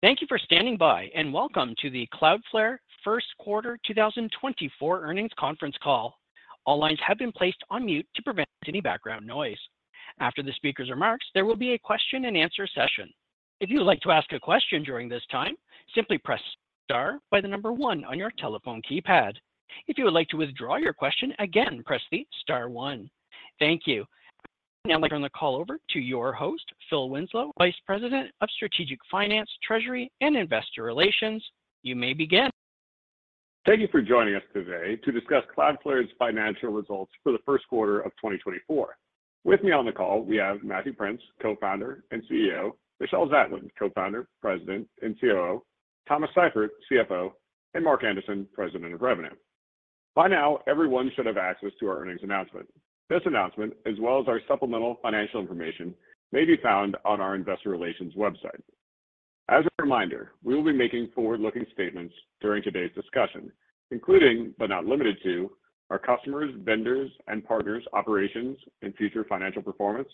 Thank you for standing by, and welcome to the Cloudflare first quarter 2024 earnings conference call. All lines have been placed on mute to prevent any background noise. After the speaker's remarks, there will be a question-and-answer session. If you would like to ask a question during this time, simply press star by the number one on your telephone keypad. If you would like to withdraw your question again, press the star one. Thank you. Now I'll turn the call over to your host, Phil Winslow, Vice President of Strategic Finance, Treasury, and Investor Relations. You may begin. Thank you for joining us today to discuss Cloudflare's financial results for the first quarter of 2024. With me on the call, we have Matthew Prince, Co-founder and CEO, Michelle Zatlyn, Co-founder, President, and COO, Thomas Seifert, CFO, and Mark Anderson, President of Revenue. By now, everyone should have access to our earnings announcement. This announcement, as well as our supplemental financial information, may be found on our investor relations website. As a reminder, we will be making forward-looking statements during today's discussion, including, but not limited to, our customers, vendors, and partners' operations and future financial performance,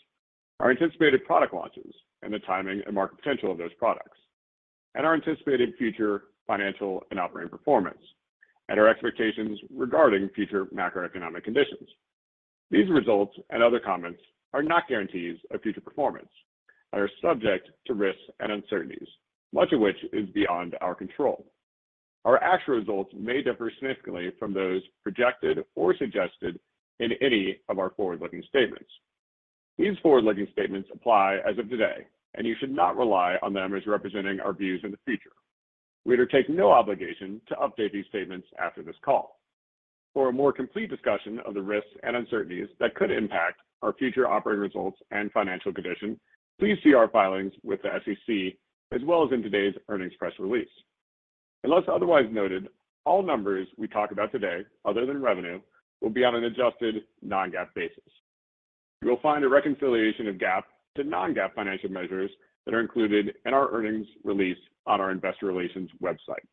our anticipated product launches and the timing and market potential of those products, and our anticipated future financial and operating performance, and our expectations regarding future macroeconomic conditions. These results and other comments are not guarantees of future performance and are subject to risks and uncertainties, much of which is beyond our control. Our actual results may differ significantly from those projected or suggested in any of our forward-looking statements. These forward-looking statements apply as of today, and you should not rely on them as representing our views in the future. We undertake no obligation to update these statements after this call. For a more complete discussion of the risks and uncertainties that could impact our future operating results and financial condition, please see our filings with the SEC, as well as in today's earnings press release. Unless otherwise noted, all numbers we talk about today, other than revenue, will be on an adjusted Non-GAAP basis. You will find a reconciliation of GAAP to non-GAAP financial measures that are included in our earnings release on our investor relations website.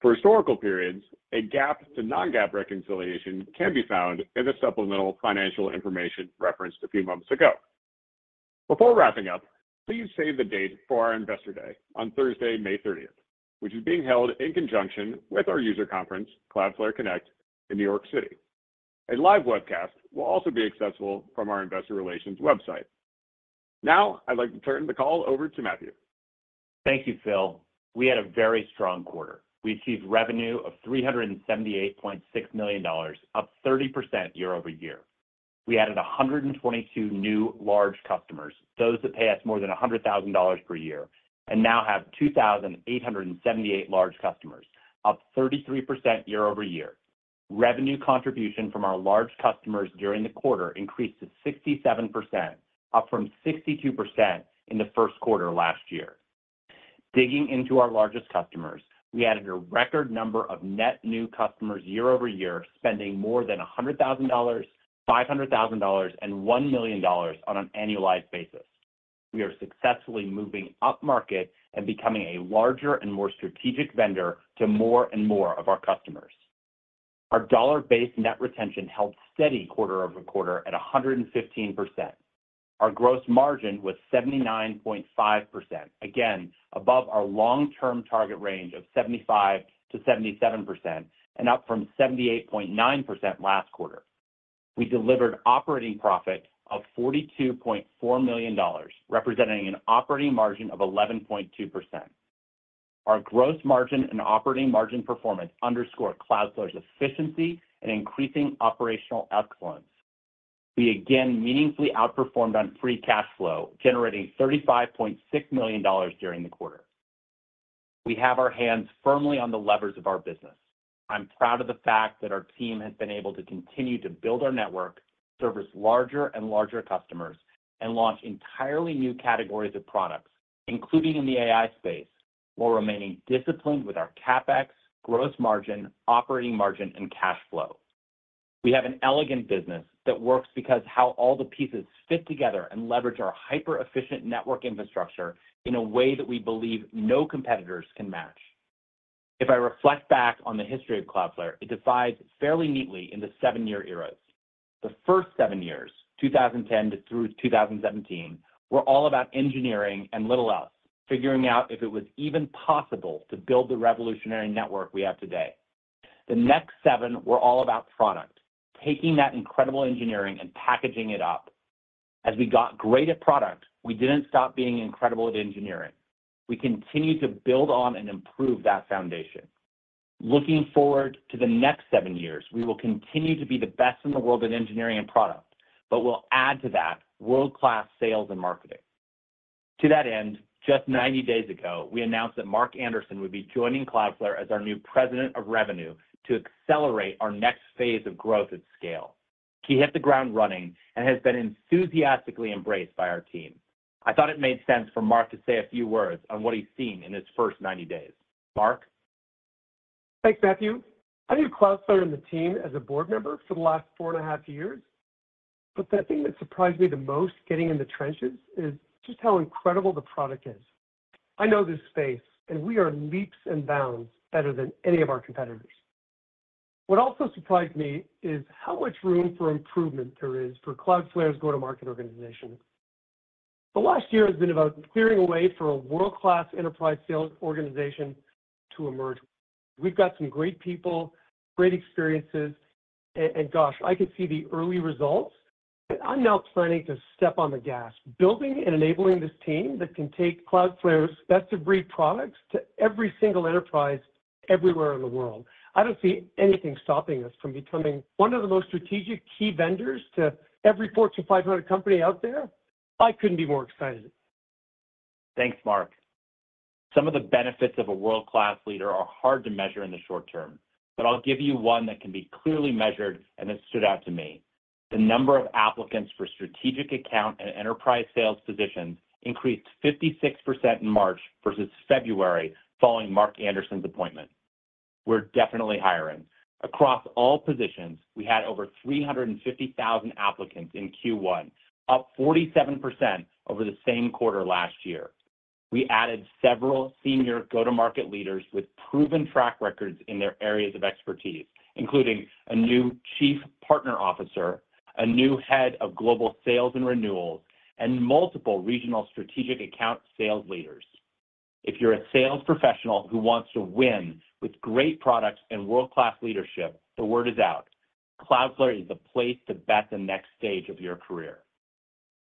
For historical periods, a GAAP to non-GAAP reconciliation can be found in the supplemental financial information referenced a few moments ago. Before wrapping up, please save the date for our Investor Day on Thursday, May 30, which is being held in conjunction with our user conference, Cloudflare Connect, in New York City. A live webcast will also be accessible from our investor relations website. Now, I'd like to turn the call over to Matthew. Thank you, Phil. We had a very strong quarter. We achieved revenue of $378.6 million, up 30% year-over-year. We added 122 new large customers, those that pay us more than $100,000 per year, and now have 2,878 large customers, up 33% year-over-year. Revenue contribution from our large customers during the quarter increased to 67%, up from 62% in the first quarter last year. Digging into our largest customers, we added a record number of net new customers year-over-year, spending more than $100,000, $500,000, and $1 million on an annualized basis. We are successfully moving upmarket and becoming a larger and more strategic vendor to more and more of our customers. Our dollar-based net retention held steady quarter-over-quarter at 115%. Our gross margin was 79.5%, again, above our long-term target range of 75%-77% and up from 78.9% last quarter. We delivered operating profit of $42.4 million, representing an operating margin of 11.2%. Our gross margin and operating margin performance underscore Cloudflare's efficiency and increasing operational excellence. We again meaningfully outperformed on free cash flow, generating $35.6 million during the quarter. We have our hands firmly on the levers of our business. I'm proud of the fact that our team has been able to continue to build our network, service larger and larger customers, and launch entirely new categories of products, including in the AI space, while remaining disciplined with our CapEx, gross margin, operating margin, and cash flow. We have an elegant business that works because how all the pieces fit together and leverage our hyper-efficient network infrastructure in a way that we believe no competitors can match. If I reflect back on the history of Cloudflare, it divides fairly neatly into 7-year eras. The first 7 years, 2010 through 2017, were all about engineering and little else, figuring out if it was even possible to build the revolutionary network we have today. The next 7 were all about product, taking that incredible engineering and packaging it up. As we got great at product, we didn't stop being incredible at engineering. We continued to build on and improve that foundation. Looking forward to the next 7 years, we will continue to be the best in the world at engineering and product, but we'll add to that world-class sales and marketing. To that end, just 90 days ago, we announced that Mark Anderson would be joining Cloudflare as our new President of Revenue to accelerate our next phase of growth at scale. He hit the ground running and has been enthusiastically embraced by our team. I thought it made sense for Mark to say a few words on what he's seen in his first 90 days. Mark? Thanks, Matthew. I knew Cloudflare and the team as a board member for the last four and a half years, but the thing that surprised me the most getting in the trenches is just how incredible the product is. I know this space, and we are leaps and bounds better than any of our competitors. What also surprised me is how much room for improvement there is for Cloudflare's go-to-market organization. The last year has been about clearing a way for a world-class enterprise sales organization to emerge. We've got some great people, great experiences, and gosh, I can see the early results, and I'm now planning to step on the gas, building and enabling this team that can take Cloudflare's best-of-breed products to every single enterprise everywhere in the world. I don't see anything stopping us from becoming one of the most strategic key vendors to every Fortune 500 company out there. I couldn't be more excited. Thanks, Mark. Some of the benefits of a world-class leader are hard to measure in the short term, but I'll give you one that can be clearly measured, and it stood out to me. The number of applicants for strategic account and enterprise sales positions increased 56% in March versus February, following Mark Anderson's appointment. We're definitely hiring. Across all positions, we had over 350,000 applicants in Q1, up 47% over the same quarter last year. We added several senior go-to-market leaders with proven track records in their areas of expertise, including a new Chief Partner Officer, a new Head of Global Sales and Renewals, and multiple regional strategic account sales leaders. If you're a sales professional who wants to win with great products and world-class leadership, the word is out: Cloudflare is the place to bet the next stage of your career.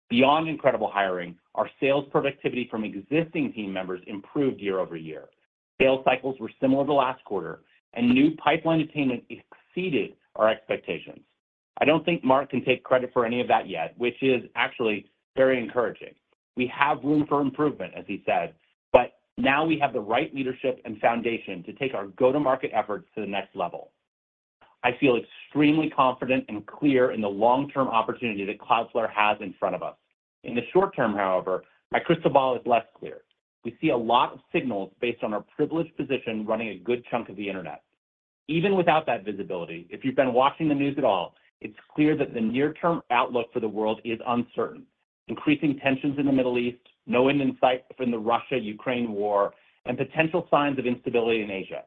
Beyond incredible hiring, our sales productivity from existing team members improved year-over-year. Sales cycles were similar to last quarter, and new pipeline attainment exceeded our expectations. I don't think Mark can take credit for any of that yet, which is actually very encouraging. We have room for improvement, as he said, but now we have the right leadership and foundation to take our go-to-market efforts to the next level. I feel extremely confident and clear in the long-term opportunity that Cloudflare has in front of us. In the short term, however, my crystal ball is less clear. We see a lot of signals based on our privileged position running a good chunk of the Internet. Even without that visibility, if you've been watching the news at all, it's clear that the near-term outlook for the world is uncertain. Increasing tensions in the Middle East, no end in sight from the Russia-Ukraine war, and potential signs of instability in Asia.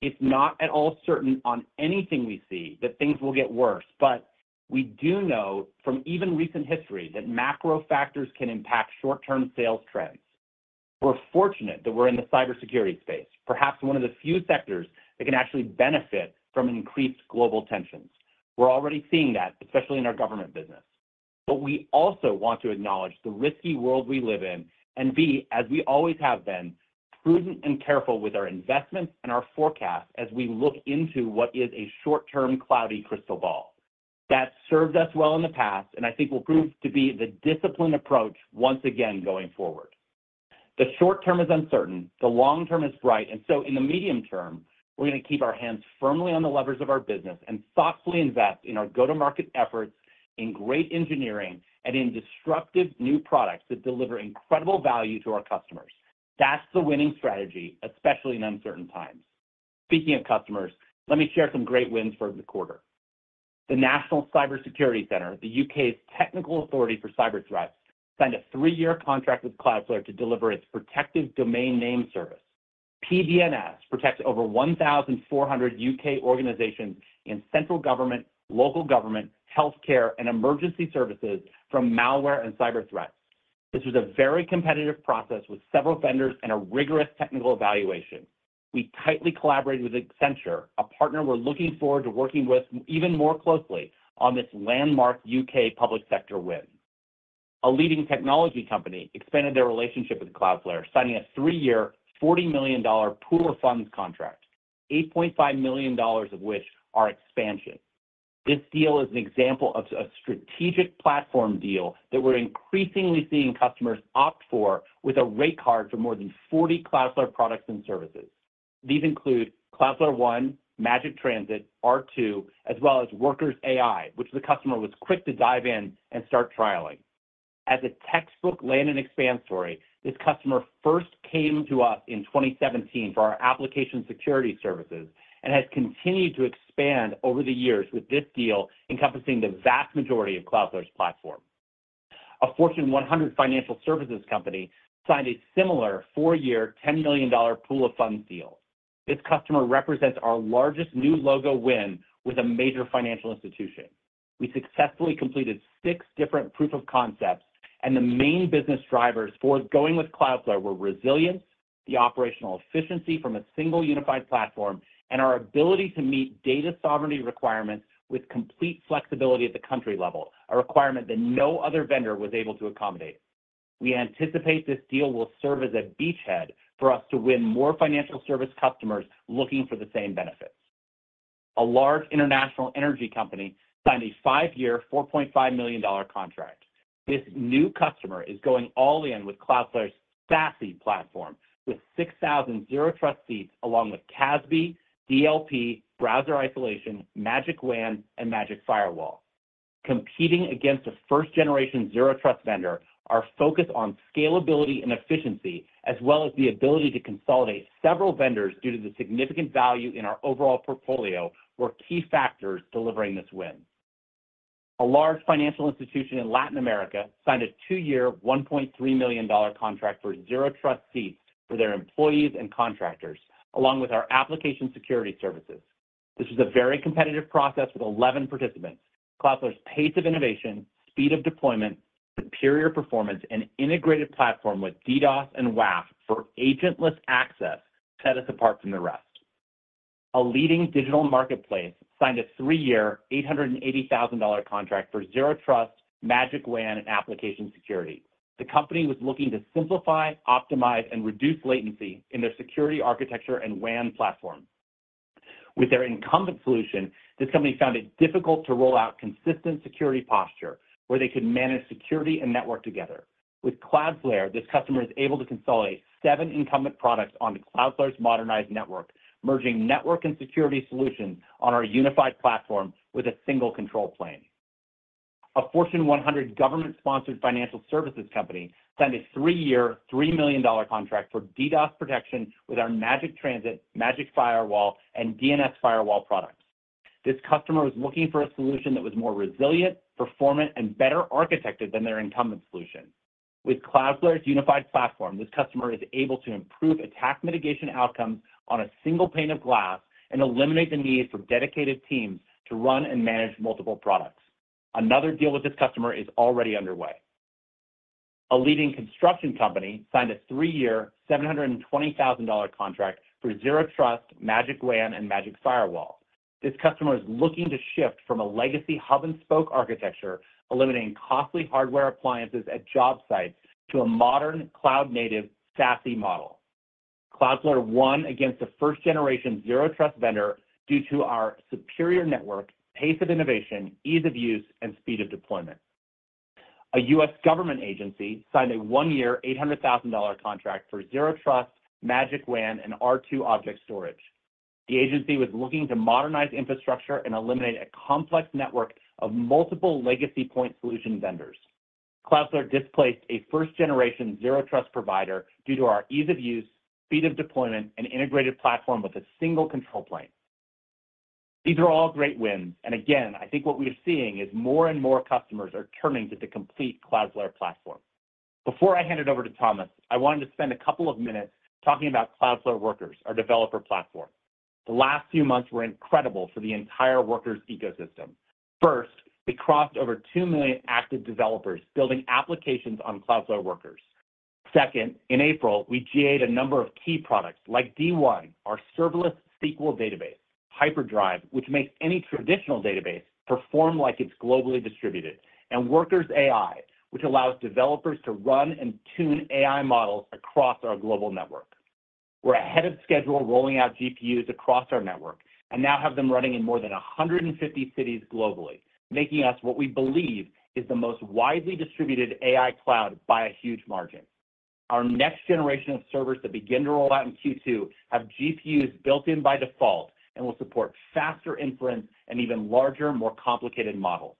It's not at all certain on anything we see that things will get worse, but we do know from even recent history that macro factors can impact short-term sales trends. We're fortunate that we're in the cybersecurity space, perhaps one of the few sectors that can actually benefit from increased global tensions. We're already seeing that, especially in our government business. But we also want to acknowledge the risky world we live in and be, as we always have been, prudent and careful with our investments and our forecast as we look into what is a short-term, cloudy crystal ball. That served us well in the past, and I think will prove to be the disciplined approach once again going forward. The short term is uncertain, the long term is bright, and so in the medium term, we're going to keep our hands firmly on the levers of our business and thoughtfully invest in our go-to-market efforts, in great engineering, and in disruptive new products that deliver incredible value to our customers. That's the winning strategy, especially in uncertain times. Speaking of customers, let me share some great wins for the quarter. The National Cyber Security Centre, the U.K.'s technical authority for cyber threats, signed a 3-year contract with Cloudflare to deliver its Protective Domain Name Service. PDNS protects over 1,400 U.K. organizations in central government, local government, healthcare, and emergency services from malware and cyber threats. This was a very competitive process with several vendors and a rigorous technical evaluation. We tightly collaborated with Accenture, a partner we're looking forward to working with even more closely on this landmark UK public sector win. A leading technology company expanded their relationship with Cloudflare, signing a three-year, $40 million pool of funds contract, $8.5 million of which are expansion. This deal is an example of a strategic platform deal that we're increasingly seeing customers opt for with a rate card for more than 40 Cloudflare products and services. These include Cloudflare One, Magic Transit, R2, as well as Workers AI, which the customer was quick to dive in and start trialing. As a textbook land and expand story, this customer first came to us in 2017 for our application security services and has continued to expand over the years with this deal encompassing the vast majority of Cloudflare's platform. A Fortune 100 financial services company signed a similar 4-year, $10 million pool of funds deal. This customer represents our largest new logo win with a major financial institution. We successfully completed 6 different proof of concepts, and the main business drivers for going with Cloudflare were resilience, the operational efficiency from a single unified platform, and our ability to meet data sovereignty requirements with complete flexibility at the country level, a requirement that no other vendor was able to accommodate. We anticipate this deal will serve as a beachhead for us to win more financial service customers looking for the same benefits. A large international energy company signed a 5-year, $4.5 million contract. This new customer is going all in with Cloudflare's SASE platform, with 6,000 Zero Trust seats, along with CASB, DLP, Browser Isolation, Magic WAN, and Magic Firewall. Competing against a first-generation Zero Trust vendor, our focus on scalability and efficiency, as well as the ability to consolidate several vendors due to the significant value in our overall portfolio, were key factors delivering this win. A large financial institution in Latin America signed a 2-year, $1.3 million contract for Zero Trust seats for their employees and contractors, along with our application security services. This is a very competitive process with 11 participants. Cloudflare's pace of innovation, speed of deployment, superior performance, and integrated platform with DDoS and WAF for agentless access set us apart from the rest. A leading digital marketplace signed a 3-year, $880,000 contract for Zero Trust, Magic WAN, and Application Security. The company was looking to simplify, optimize, and reduce latency in their security architecture and WAN platform. With their incumbent solution, this company found it difficult to roll out consistent security posture, where they could manage security and network together. With Cloudflare, this customer is able to consolidate 7 incumbent products on Cloudflare's modernized network, merging network and security solutions on our unified platform with a single control plane. A Fortune 100 government-sponsored financial services company signed a 3-year, $3 million contract for DDoS protection with our Magic Transit, Magic Firewall, and DNS Firewall products. This customer was looking for a solution that was more resilient, performant, and better architected than their incumbent solution. With Cloudflare's unified platform, this customer is able to improve attack mitigation outcomes on a single pane of glass and eliminate the need for dedicated teams to run and manage multiple products. Another deal with this customer is already underway. A leading construction company signed a three-year, $720,000 contract for Zero Trust, Magic WAN, and Magic Firewall. This customer is looking to shift from a legacy hub-and-spoke architecture, eliminating costly hardware appliances at job sites, to a modern, cloud-native SASE model. Cloudflare won against a first-generation Zero Trust vendor due to our superior network, pace of innovation, ease of use, and speed of deployment. A U.S. government agency signed a one-year, $800,000 contract for Zero Trust, Magic WAN, and R2 Object Storage. The agency was looking to modernize infrastructure and eliminate a complex network of multiple legacy point solution vendors. Cloudflare displaced a first-generation Zero Trust provider due to our ease of use, speed of deployment, and integrated platform with a single control plane. These are all great wins, and again, I think what we are seeing is more and more customers are turning to the complete Cloudflare platform. Before I hand it over to Thomas, I wanted to spend a couple of minutes talking about Cloudflare Workers, our developer platform. The last few months were incredible for the entire Workers ecosystem. First, we crossed over 2 million active developers building applications on Cloudflare Workers. Second, in April, we GA'd a number of key products, like D1, our serverless SQL database. Hyperdrive, which makes any traditional database perform like it's globally distributed, and Workers AI, which allows developers to run and tune AI models across our global network. We're ahead of schedule, rolling out GPUs across our network, and now have them running in more than 150 cities globally, making us what we believe is the most widely distributed AI cloud by a huge margin. Our next generation of servers that begin to roll out in Q2 have GPUs built in by default and will support faster inference and even larger, more complicated models.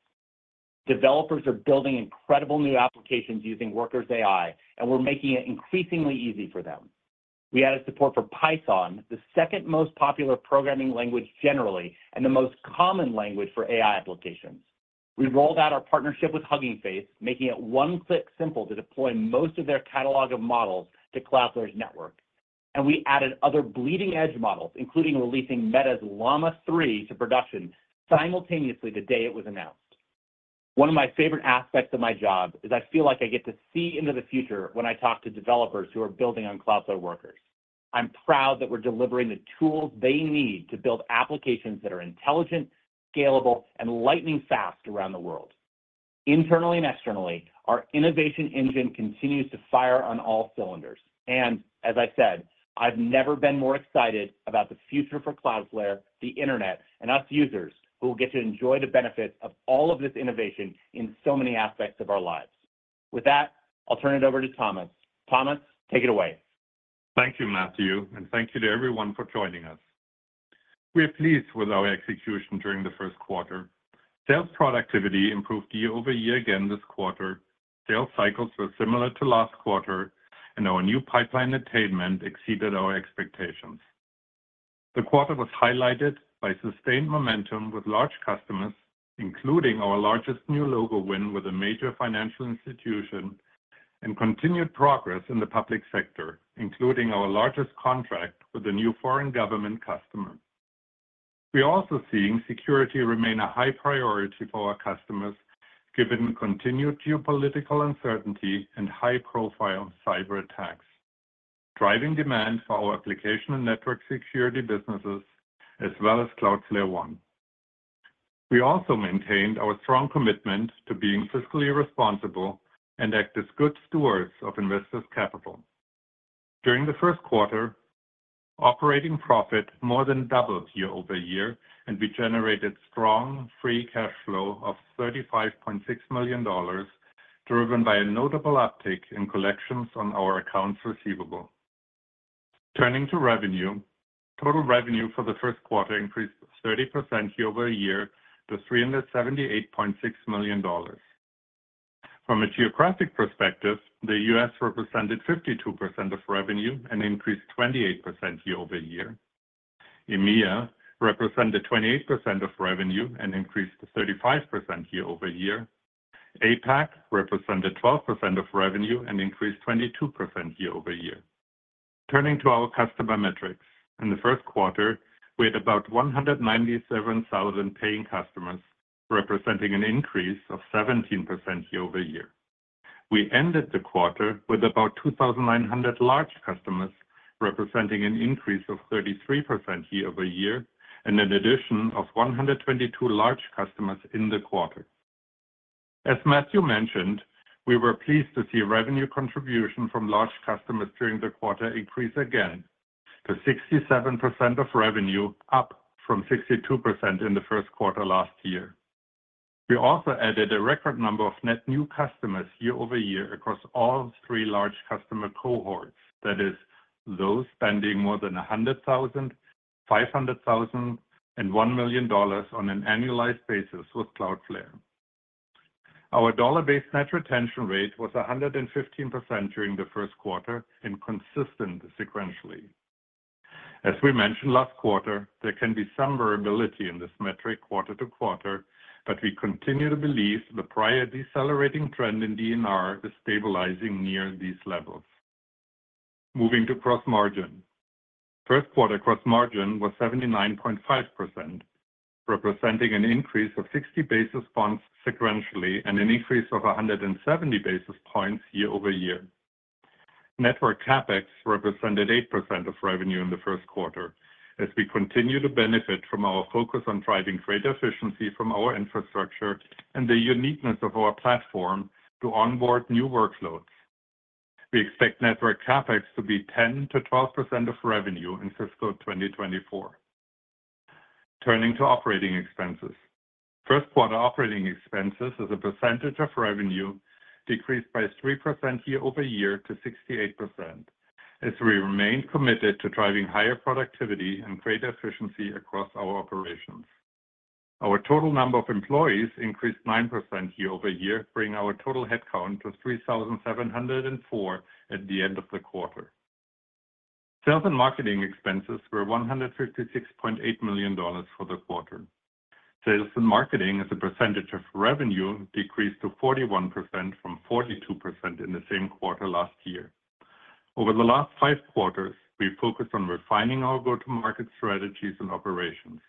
Developers are building incredible new applications using Workers AI, and we're making it increasingly easy for them. We added support for Python, the second most popular programming language generally, and the most common language for AI applications. We rolled out our partnership with Hugging Face, making it one-click simple to deploy most of their catalog of models to Cloudflare's network. And we added other bleeding-edge models, including releasing Meta's Llama 3 to production simultaneously, the day it was announced. One of my favorite aspects of my job is I feel like I get to see into the future when I talk to developers who are building on Cloudflare Workers. I'm proud that we're delivering the tools they need to build applications that are intelligent, scalable, and lightning-fast around the world. Internally and externally, our innovation engine continues to fire on all cylinders, and as I said, I've never been more excited about the future for Cloudflare, the Internet, and us users, who will get to enjoy the benefits of all of this innovation in so many aspects of our lives. With that, I'll turn it over to Thomas. Thomas, take it away. Thank you, Matthew, and thank you to everyone for joining us. We are pleased with our execution during the first quarter. Sales productivity improved year over year again this quarter. Sales cycles were similar to last quarter, and our new pipeline attainment exceeded our expectations. The quarter was highlighted by sustained momentum with large customers, including our largest new logo win with a major financial institution, and continued progress in the public sector, including our largest contract with a new foreign government customer. We're also seeing security remain a high priority for our customers, given the continued geopolitical uncertainty and high-profile cyberattacks, driving demand for our application and network security businesses, as well as Cloudflare One. We also maintained our strong commitment to being fiscally responsible and act as good stewards of investors' capital. During the first quarter, operating profit more than doubled year-over-year, and we generated strong free cash flow of $35.6 million, driven by a notable uptick in collections on our accounts receivable. Turning to revenue, total revenue for the first quarter increased 30% year-over-year to $378.6 million. From a geographic perspective, the U.S. represented 52% of revenue and increased 28% year-over-year. EMEA represented 28% of revenue and increased to 35% year-over-year. APAC represented 12% of revenue and increased 22% year-over-year. Turning to our customer metrics. In the first quarter, we had about 197,000 paying customers, representing an increase of 17% year-over-year. We ended the quarter with about 2,900 large customers, representing an increase of 33% year-over-year, and an addition of 122 large customers in the quarter. As Matthew mentioned, we were pleased to see revenue contribution from large customers during the quarter increase again to 67% of revenue, up from 62% in the first quarter last year. We also added a record number of net new customers year-over-year across all three large customer cohorts, that is, those spending more than $100,000, $500,000, and $1 million on an annualized basis with Cloudflare. Our dollar-based net retention rate was 115% during the first quarter and consistent sequentially. As we mentioned last quarter, there can be some variability in this metric quarter to quarter, but we continue to believe the prior decelerating trend in DNR is stabilizing near these levels. Moving to gross margin. First quarter gross margin was 79.5%, representing an increase of 60 basis points sequentially, and an increase of 170 basis points year-over-year. Network CapEx represented 8% of revenue in the first quarter, as we continue to benefit from our focus on driving greater efficiency from our infrastructure and the uniqueness of our platform to onboard new workloads. We expect network CapEx to be 10%-12% of revenue in fiscal 2024. Turning to operating expenses. First quarter operating expenses as a percentage of revenue decreased by 3% year-over-year to 68%, as we remain committed to driving higher productivity and greater efficiency across our operations. Our total number of employees increased 9% year-over-year, bringing our total headcount to 3,704 at the end of the quarter. Sales and marketing expenses were $156.8 million for the quarter. Sales and marketing as a percentage of revenue decreased to 41% from 42% in the same quarter last year. Over the last five quarters, we focused on refining our go-to-market strategies and operations.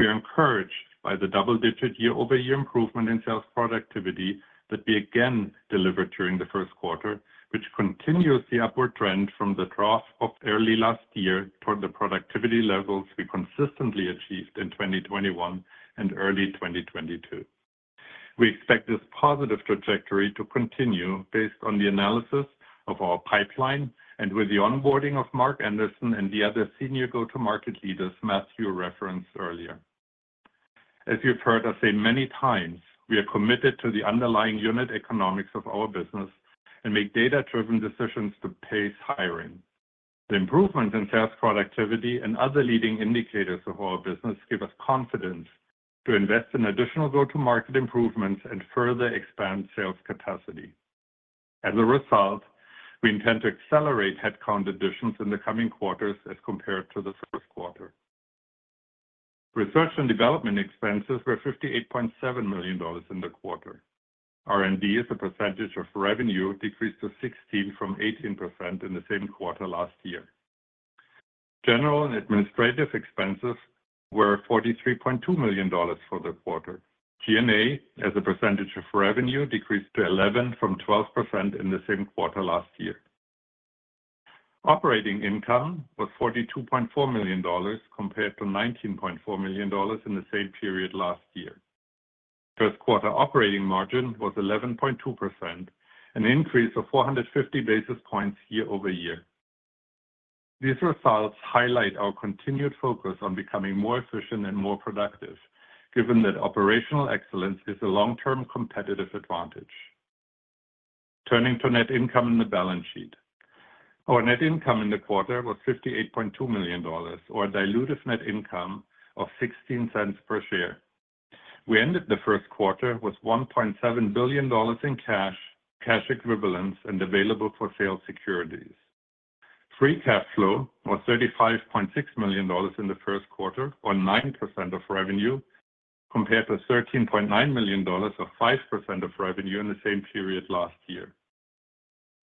We are encouraged by the double-digit year-over-year improvement in sales productivity that we again delivered during the first quarter, which continues the upward trend from the trough of early last year toward the productivity levels we consistently achieved in 2021 and early 2022. We expect this positive trajectory to continue based on the analysis of our pipeline and with the onboarding of Mark Anderson and the other senior go-to-market leaders Matthew referenced earlier. As you've heard us say many times, we are committed to the underlying unit economics of our business and make data-driven decisions to pace hiring. The improvement in sales productivity and other leading indicators of our business give us confidence to invest in additional go-to-market improvements and further expand sales capacity. As a result, we intend to accelerate headcount additions in the coming quarters as compared to the first quarter. Research and development expenses were $58.7 million in the quarter. R&D as a percentage of revenue decreased to 16% from 18% in the same quarter last year. General and administrative expenses were $43.2 million for the quarter. G&A, as a percentage of revenue, decreased to 11% from 12% in the same quarter last year. Operating income was $42.4 million, compared to $19.4 million in the same period last year. First quarter operating margin was 11.2%, an increase of 450 basis points year-over-year. These results highlight our continued focus on becoming more efficient and more productive, given that operational excellence is a long-term competitive advantage. Turning to net income and the balance sheet. Our net income in the quarter was $58.2 million, or a dilutive net income of $0.16 per share. We ended the first quarter with $1.7 billion in cash, cash equivalents, and available for sale securities. Free cash flow was $35.6 million in the first quarter, or 9% of revenue, compared to $13.9 million or 5% of revenue in the same period last year.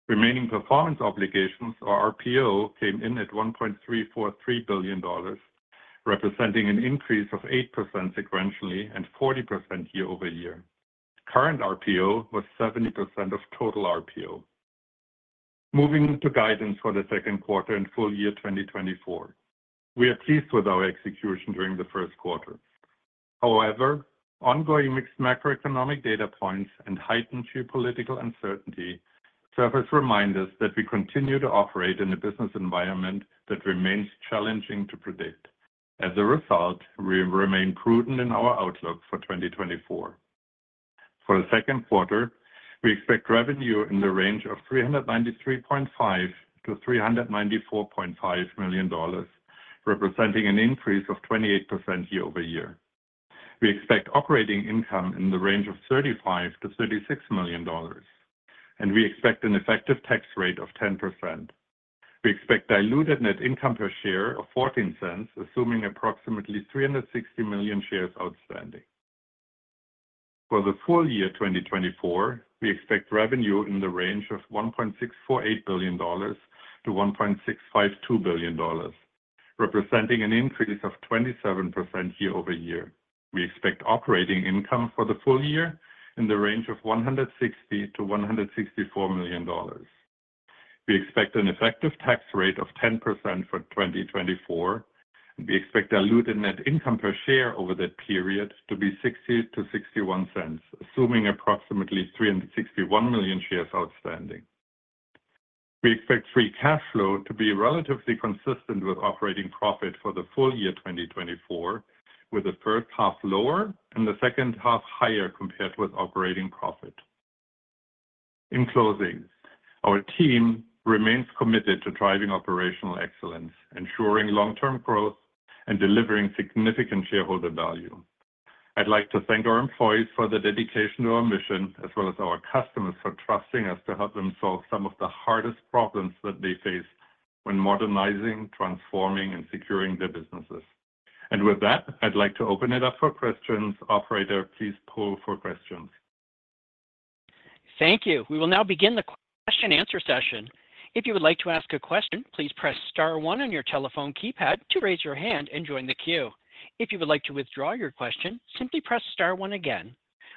Remaining performance obligations, or RPO, came in at $1.343 billion, representing an increase of 8% sequentially and 40% year-over-year. Current RPO was 70% of total RPO. Moving to guidance for the second quarter and full year 2024. We are pleased with our execution during the first quarter. However, ongoing mixed macroeconomic data points and heightened geopolitical uncertainty serve as reminders that we continue to operate in a business environment that remains challenging to predict. As a result, we remain prudent in our outlook for 2024. For the second quarter, we expect revenue in the range of $393.5 million-$394.5 million, representing an increase of 28% year-over-year. We expect operating income in the range of $35 million-$36 million, and we expect an effective tax rate of 10%. We expect diluted net income per share of $0.14, assuming approximately 360 million shares outstanding. For the full year 2024, we expect revenue in the range of $1.648 billion-$1.652 billion, representing an increase of 27% year-over-year. We expect operating income for the full year in the range of $160 million-$164 million. We expect an effective tax rate of 10% for 2024. We expect diluted net income per share over that period to be $0.60-$0.61, assuming approximately 361 million shares outstanding. We expect free cash flow to be relatively consistent with operating profit for the full year 2024, with the first half lower and the second half higher compared with operating profit. In closing, our team remains committed to driving operational excellence, ensuring long-term growth, and delivering significant shareholder value. I'd like to thank our employees for their dedication to our mission, as well as our customers for trusting us to help them solve some of the hardest problems that they face when modernizing, transforming, and securing their businesses. With that, I'd like to open it up for questions. Operator, please poll for questions. Thank you. We will now begin the question and answer session. If you would like to ask a question, please press star one on your telephone keypad to raise your hand and join the queue. If you would like to withdraw your question, simply press star one again.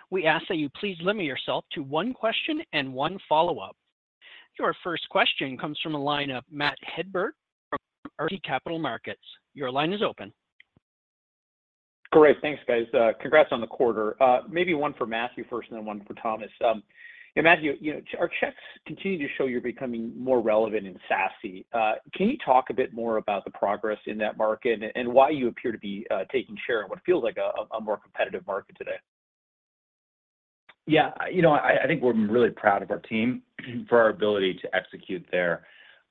We ask that you please limit yourself to one question and one follow-up. Your first question comes from the line of Matt Hedberg from RBC Capital Markets. Your line is open. Great. Thanks, guys. Congrats on the quarter. Maybe one for Matthew first and then one for Thomas. Matthew, you know, our checks continue to show you're becoming more relevant in SASE. Can you talk a bit more about the progress in that market and why you appear to be taking share in what feels like a more competitive market today? Yeah, you know, I think we're really proud of our team for our ability to execute there.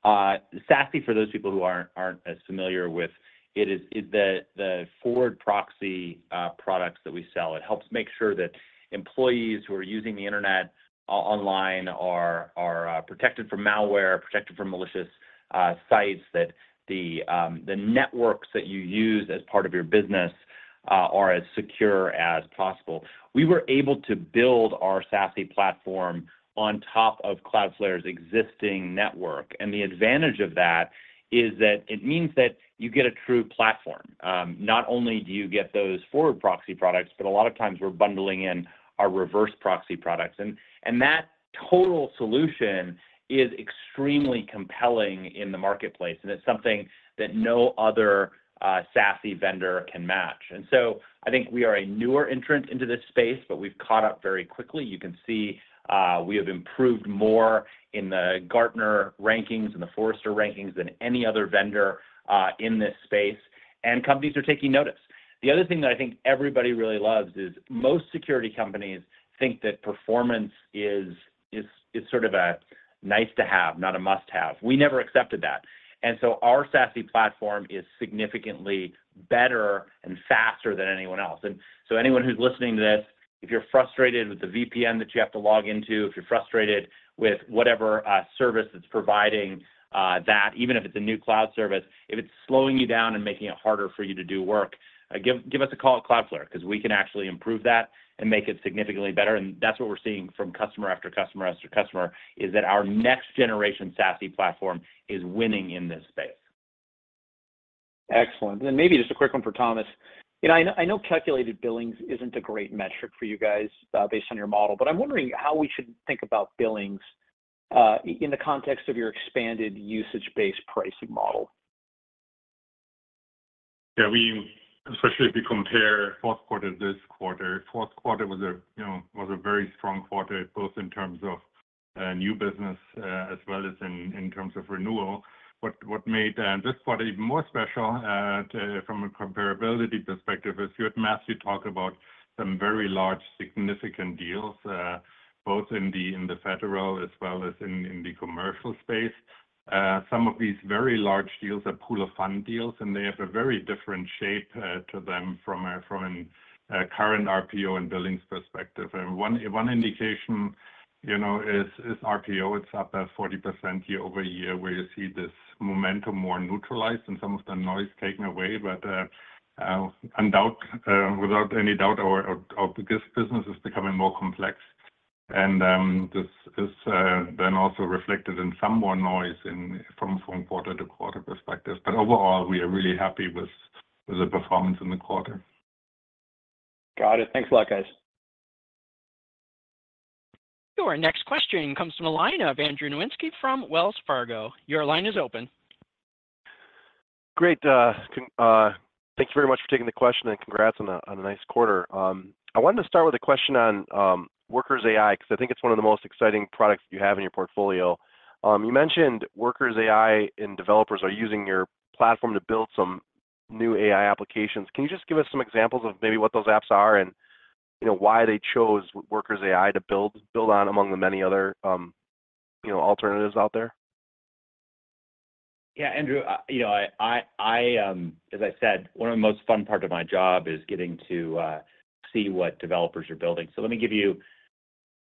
SASE, for those people who aren't as familiar with it, is the forward proxy products that we sell. It helps make sure that employees who are using the internet online are protected from malware, protected from malicious sites, that the networks that you use as part of your business are as secure as possible. We were able to build our SASE platform on top of Cloudflare's existing network, and the advantage of that is that it means that you get a true platform. Not only do you get those forward proxy products, but a lot of times we're bundling in our reverse proxy products. That total solution is extremely compelling in the marketplace, and it's something that no other SASE vendor can match. So I think we are a newer entrant into this space, but we've caught up very quickly. You can see, we have improved more in the Gartner rankings and the Forrester rankings than any other vendor in this space, and companies are taking notice. The other thing that I think everybody really loves is most security companies think that performance is sort of a nice to have, not a must-have. We never accepted that. So our SASE platform is significantly better and faster than anyone else. And so anyone who's listening to this, if you're frustrated with the VPN that you have to log into, if you're frustrated with whatever service it's providing, that even if it's a new cloud service, if it's slowing you down and making it harder for you to do work, give us a call at Cloudflare, 'cause we can actually improve that and make it significantly better, and that's what we're seeing from customer after customer after customer: our next generation SASE platform is winning in this space. Excellent. And then maybe just a quick one for Thomas. You know, I know, I know calculated billings isn't a great metric for you guys, based on your model, but I'm wondering how we should think about billings, in the context of your expanded usage-based pricing model. Yeah, we especially if we compare fourth quarter, this quarter. Fourth quarter was a, you know, very strong quarter, both in terms of new business as well as in terms of renewal. But what made this quarter even more special from a comparability perspective is, you heard Matthew talk about some very large, significant deals both in the federal as well as in the commercial space. Some of these very large deals are pool of funds deals, and they have a very different shape to them from a current RPO and billings perspective. And one indication, you know, is RPO. It's up 40% year-over-year, where you see this momentum more neutralized and some of the noise taken away. Without any doubt, our biggest business is becoming more complex. This is then also reflected in some more noise from quarter-to-quarter perspective. Overall, we are really happy with the performance in the quarter. Got it. Thanks a lot, guys. Your next question comes from the line of Andrew Nowinski from Wells Fargo. Your line is open. Great. Thank you very much for taking the question, and congrats on a nice quarter. I wanted to start with a question on Workers AI, because I think it's one of the most exciting products you have in your portfolio. You mentioned Workers AI and developers are using your platform to build some new AI applications. Can you just give us some examples of maybe what those apps are, and you know, why they chose Workers AI to build on, among the many other, you know, alternatives out there? Yeah, Andrew, you know, as I said, one of the most fun part of my job is getting to see what developers are building. So let me give you,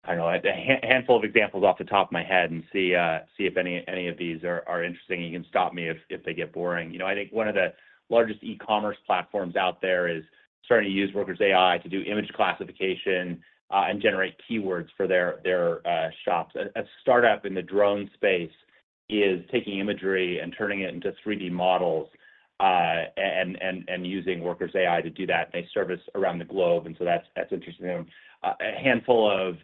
I don't know, a handful of examples off the top of my head and see if any of these are interesting, and you can stop me if they get boring. You know, I think one of the largest e-commerce platforms out there is starting to use Workers AI to do image classification and generate keywords for their shops. A startup in the drone space is taking imagery and turning it into 3D models and using Workers AI to do that, and they service around the globe, and so that's interesting to them. A handful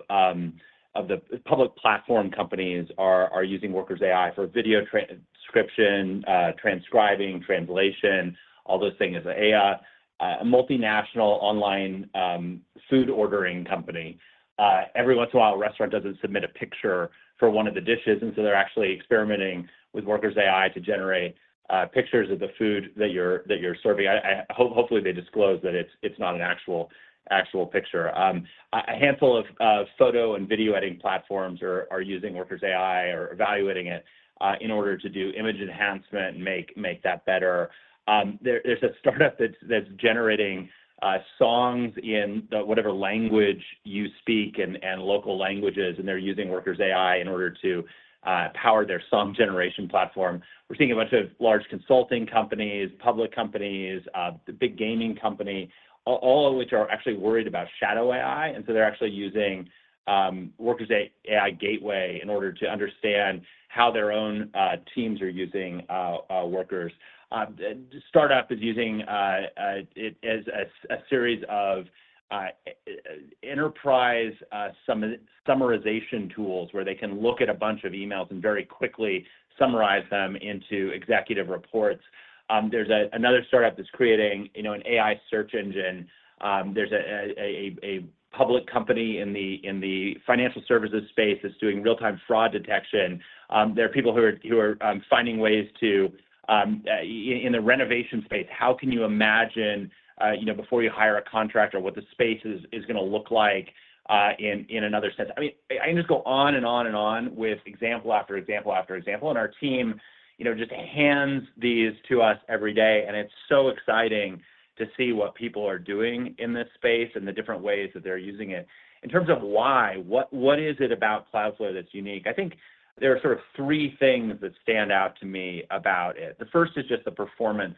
of the public platform companies are using Workers AI for video transcription, transcribing, translation, all those things. A multinational online food ordering company, every once in a while, a restaurant doesn't submit a picture for one of the dishes, and so they're actually experimenting with Workers AI to generate pictures of the food that you're serving. Hopefully, they disclose that it's not an actual picture. A handful of photo and video editing platforms are using Workers AI or evaluating it in order to do image enhancement and make that better. There's a startup that's generating songs in the whatever language you speak and local languages, and they're using Workers AI in order to power their song generation platform. We're seeing a bunch of large consulting companies, public companies, the big gaming company, all of which are actually worried about shadow AI, and so they're actually using Workers AI Gateway in order to understand how their own teams are using Workers. A startup is using it as a series of enterprise summarization tools, where they can look at a bunch of emails and very quickly summarize them into executive reports. There's another startup that's creating, you know, an AI search engine. There's a public company in the financial services space that's doing real-time fraud detection. There are people who are finding ways to in the renovation space, how can you imagine, you know, before you hire a contractor, what the space is gonna look like, in another sense? I mean, I can just go on and on and on with example after example after example, and our team, you know, just hands these to us every day, and it's so exciting to see what people are doing in this space and the different ways that they're using it. In terms of why, what is it about Cloudflare that's unique? I think there are sort of three things that stand out to me about it. The first is just the performance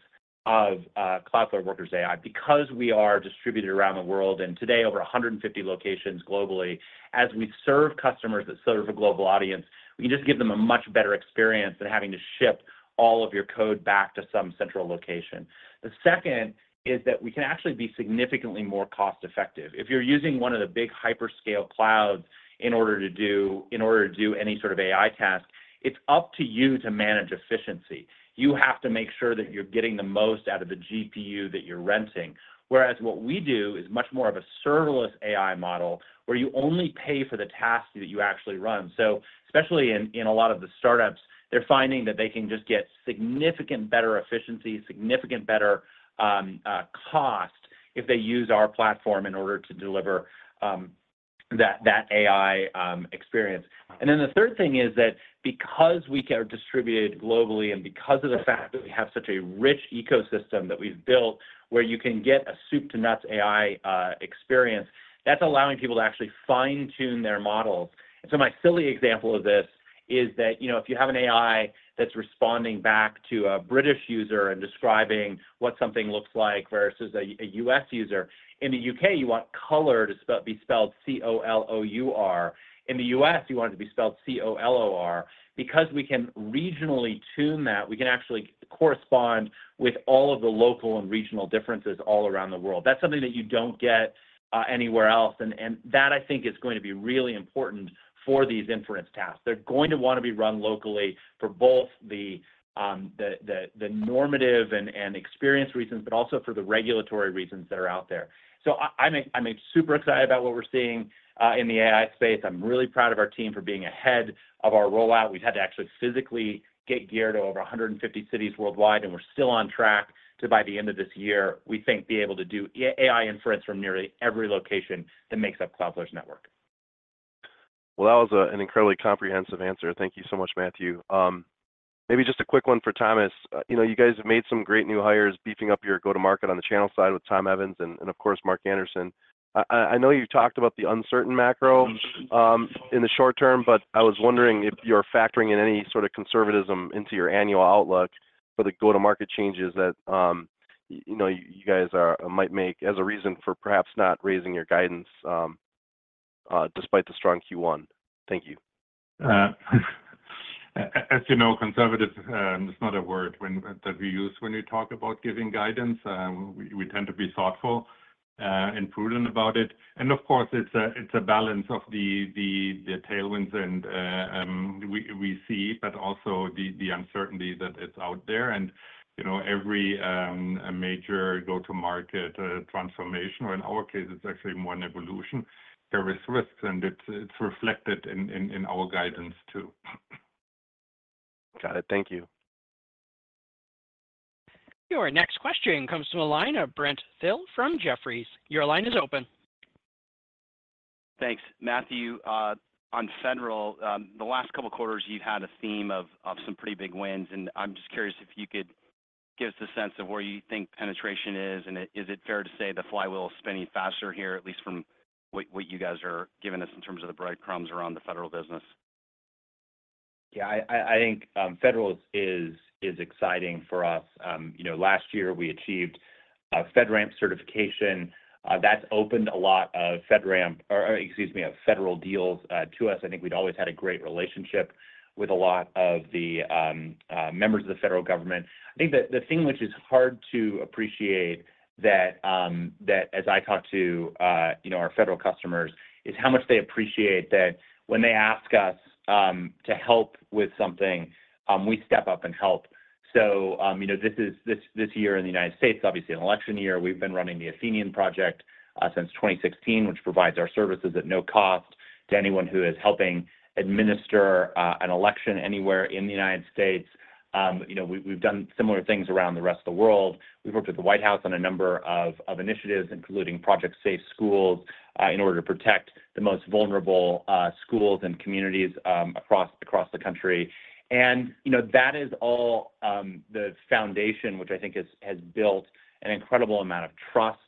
of Cloudflare Workers AI. Because we are distributed around the world, and today, over 150 locations globally, as we serve customers that serve a global audience, we can just give them a much better experience than having to ship all of your code back to some central location. The second is that we can actually be significantly more cost-effective. If you're using one of the big hyperscale clouds in order to do any sort of AI task, it's up to you to manage efficiency. You have to make sure that you're getting the most out of the GPU that you're renting, whereas what we do is much more of a serverless AI model, where you only pay for the tasks that you actually run. So especially in a lot of the startups, they're finding that they can just get significant better efficiency, significant better cost if they use our platform in order to deliver that AI experience. And then the third thing is that because we are distributed globally and because of the fact that we have such a rich ecosystem that we've built, where you can get a soup to nuts AI experience, that's allowing people to actually fine-tune their models. And so my silly example of this is that, you know, if you have an AI that's responding back to a British user and describing what something looks like versus a U.S. user, in the U.K., you want color to be spelled C-O-L-O-U-R. In the U.S., you want it to be spelled C-O-L-O-R. Because we can regionally tune that, we can actually correspond with all of the local and regional differences all around the world. That's something that you don't get anywhere else, and that, I think, is going to be really important for these inference tasks. They're going to want to be run locally for both the normative and experience reasons, but also for the regulatory reasons that are out there. So I'm super excited about what we're seeing in the AI space. I'm really proud of our team for being ahead of our rollout. We've had to actually physically get geared to over 150 cities worldwide, and we're still on track to, by the end of this year, we think, be able to do AI inference from nearly every location that makes up Cloudflare's network. Well, that was an incredibly comprehensive answer. Thank you so much, Matthew. Maybe just a quick one for Thomas. You know, you guys have made some great new hires, beefing up your go-to-market on the channel side with Tom Evans and, of course, Mark Anderson. I know you talked about the uncertain macro in the short term, but I was wondering if you're factoring in any sort of conservatism into your annual outlook for the go-to-market changes that, you know, you guys might make as a reason for perhaps not raising your guidance despite the strong Q1. Thank you. As you know, conservative is not a word when that we use when we talk about giving guidance. We tend to be thoughtful and prudent about it, and of course, it's a balance of the tailwinds, and we see, but also the uncertainty that is out there. You know, every major go-to-market transformation, or in our case, it's actually more an evolution, there is risks, and it's reflected in our guidance, too. Got it. Thank you. Our next question comes from the line of Brent Thill from Jefferies. Your line is open. Thanks. Matthew, on federal, the last couple of quarters, you've had a theme of some pretty big wins, and I'm just curious if you could give us a sense of where you think penetration is, and is it fair to say the flywheel is spinning faster here, at least from what you guys are giving us in terms of the breadcrumbs around the federal business? Yeah, I think federal is exciting for us. You know, last year, we achieved a FedRAMP certification. That's opened a lot of FedRAMP or, excuse me, federal deals to us. I think we'd always had a great relationship with a lot of the members of the federal government. I think the thing which is hard to appreciate that as I talk to our federal customers is how much they appreciate that when they ask us to help with something, we step up and help. So, you know, this year in the United States, obviously, an election year, we've been running the Athenian Project, since 2016, which provides our services at no cost to anyone who is helping administer, an election anywhere in the United States. You know, we've done similar things around the rest of the world. We've worked with the White House on a number of initiatives, including Project Safe Schools, in order to protect the most vulnerable, schools and communities, across the country. And, you know, that is all, the foundation, which I think has built an incredible amount of trust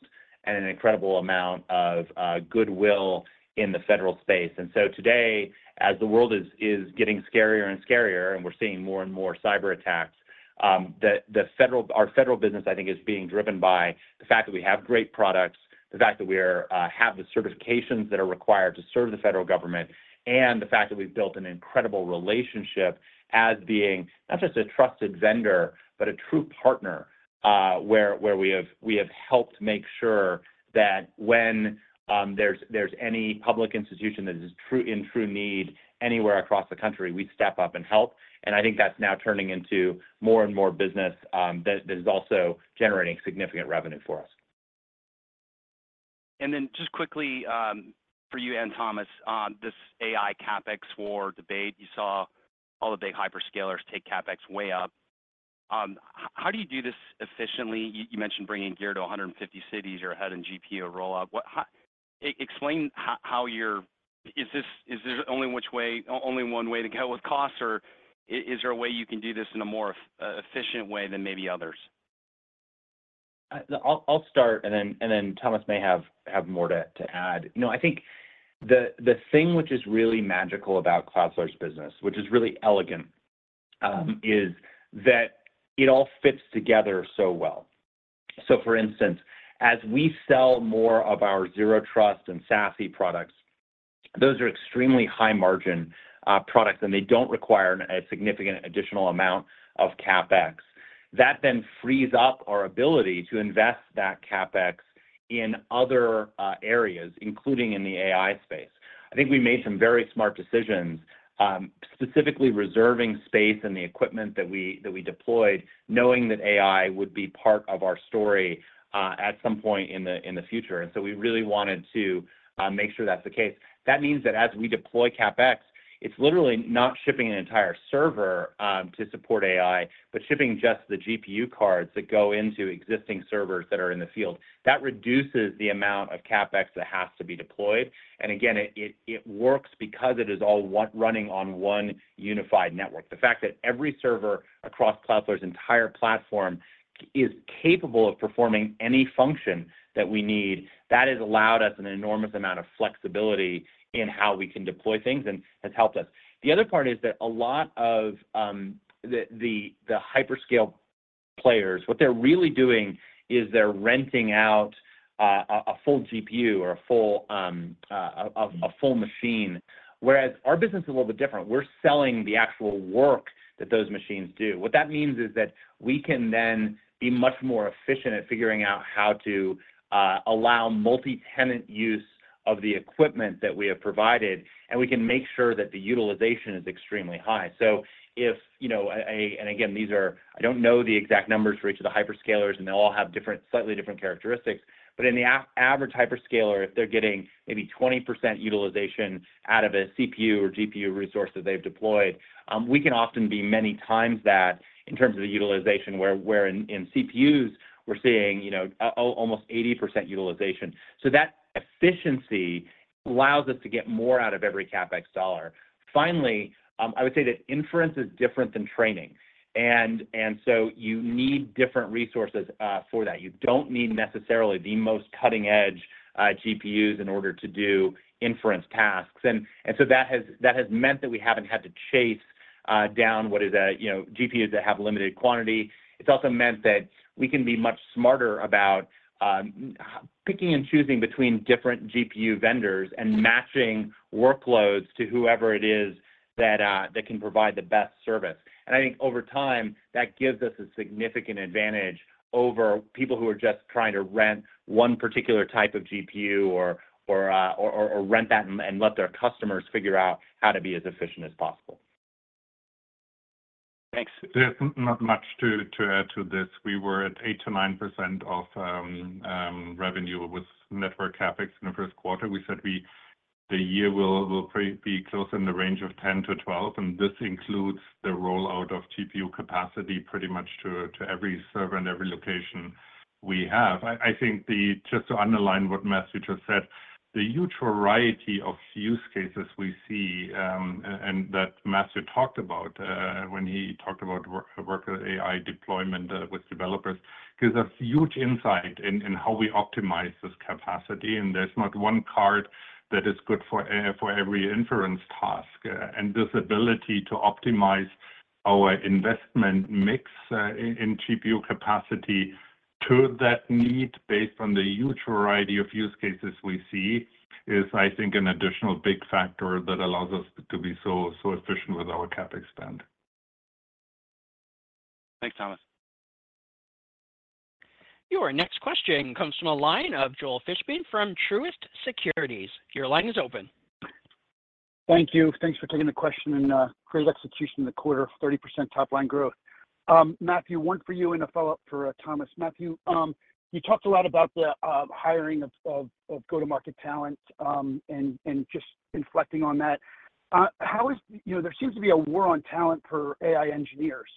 and an incredible amount of, goodwill in the federal space. Today, as the world is getting scarier and scarier, and we're seeing more and more cyberattacks, our federal business, I think, is being driven by the fact that we have great products, the fact that we have the certifications that are required to serve the federal government, and the fact that we've built an incredible relationship as being not just a trusted vendor, but a true partner, where we have helped make sure that when there's any public institution that is truly in true need anywhere across the country, we step up and help. I think that's now turning into more and more business that is also generating significant revenue for us. And then just quickly, for you and Thomas, on this AI CapEx war debate, you saw all the big hyperscalers take CapEx way up. How do you do this efficiently? You mentioned bringing gear to 150 cities. You're ahead in GPU rollout. Explain how you're— Is this only one way to go with costs, or is there a way you can do this in a more efficient way than maybe others? I'll start, and then Thomas may have more to add. You know, I think the thing which is really magical about Cloudflare's business, which is really elegant, is that it all fits together so well. So, for instance, as we sell more of our Zero Trust and SASE products, those are extremely high-margin products, and they don't require a significant additional amount of CapEx. That then frees up our ability to invest that CapEx in other areas, including in the AI space. I think we made some very smart decisions, specifically reserving space and the equipment that we deployed, knowing that AI would be part of our story, at some point in the future, and so we really wanted to make sure that's the case. That means that as we deploy CapEx, it's literally not shipping an entire server to support AI, but shipping just the GPU cards that go into existing servers that are in the field. That reduces the amount of CapEx that has to be deployed, and again, it works because it is all one running on one unified network. The fact that every server across Cloudflare's entire platform is capable of performing any function that we need, that has allowed us an enormous amount of flexibility in how we can deploy things and has helped us. The other part is that a lot of the hyperscale players, what they're really doing is they're renting out a full GPU or a full machine, whereas our business is a little bit different. We're selling the actual work that those machines do. What that means is that we can then be much more efficient at figuring out how to allow multi-tenant use of the equipment that we have provided, and we can make sure that the utilization is extremely high. So if you know, and again, these are, I don't know the exact numbers for each of the hyperscalers, and they all have different, slightly different characteristics, but in the average hyperscaler, if they're getting maybe 20% utilization out of a CPU or GPU resource that they've deployed, we can often be many times that in terms of the utilization, where in CPUs, we're seeing, you know, almost 80% utilization. So that efficiency allows us to get more out of every CapEx dollar. Finally, I would say that inference is different than training, and so you need different resources for that. You don't need necessarily the most cutting-edge GPUs in order to do inference tasks. And so that has meant that we haven't had to chase down what is a, you know, GPUs that have limited quantity. It's also meant that we can be much smarter about picking and choosing between different GPU vendors and matching workloads to whoever it is that can provide the best service. And I think over time, that gives us a significant advantage over people who are just trying to rent one particular type of GPU or rent that and let their customers figure out how to be as efficient as possible. Thanks. There's not much to add to this. We were at 8%-9% of revenue with network CapEx in the first quarter. We said we-the year will pretty be close in the range of 10-12, and this includes the rollout of GPU capacity pretty much to every server and every location we have. I think just to underline what Matthew just said, the huge variety of use cases we see, and that Matthew talked about, when he talked about Workers AI deployment with developers, gives us huge insight in how we optimize this capacity. And there's not one card that is good for every inference task. And this ability to optimize our investment mix in GPU capacity to that need, based on the huge variety of use cases we see, is, I think, an additional big factor that allows us to be so efficient with our CapEx spend. Thanks, Thomas. Your next question comes from the line of Joel Fishbein from Truist Securities. Your line is open. Thank you. Thanks for taking the question, and great execution in the quarter, 30% top-line growth. Matthew, one for you, and a follow-up for Thomas. Matthew, you talked a lot about the hiring of go-to-market talent, and just reflecting on that. How is, You know, there seems to be a war on talent for AI engineers.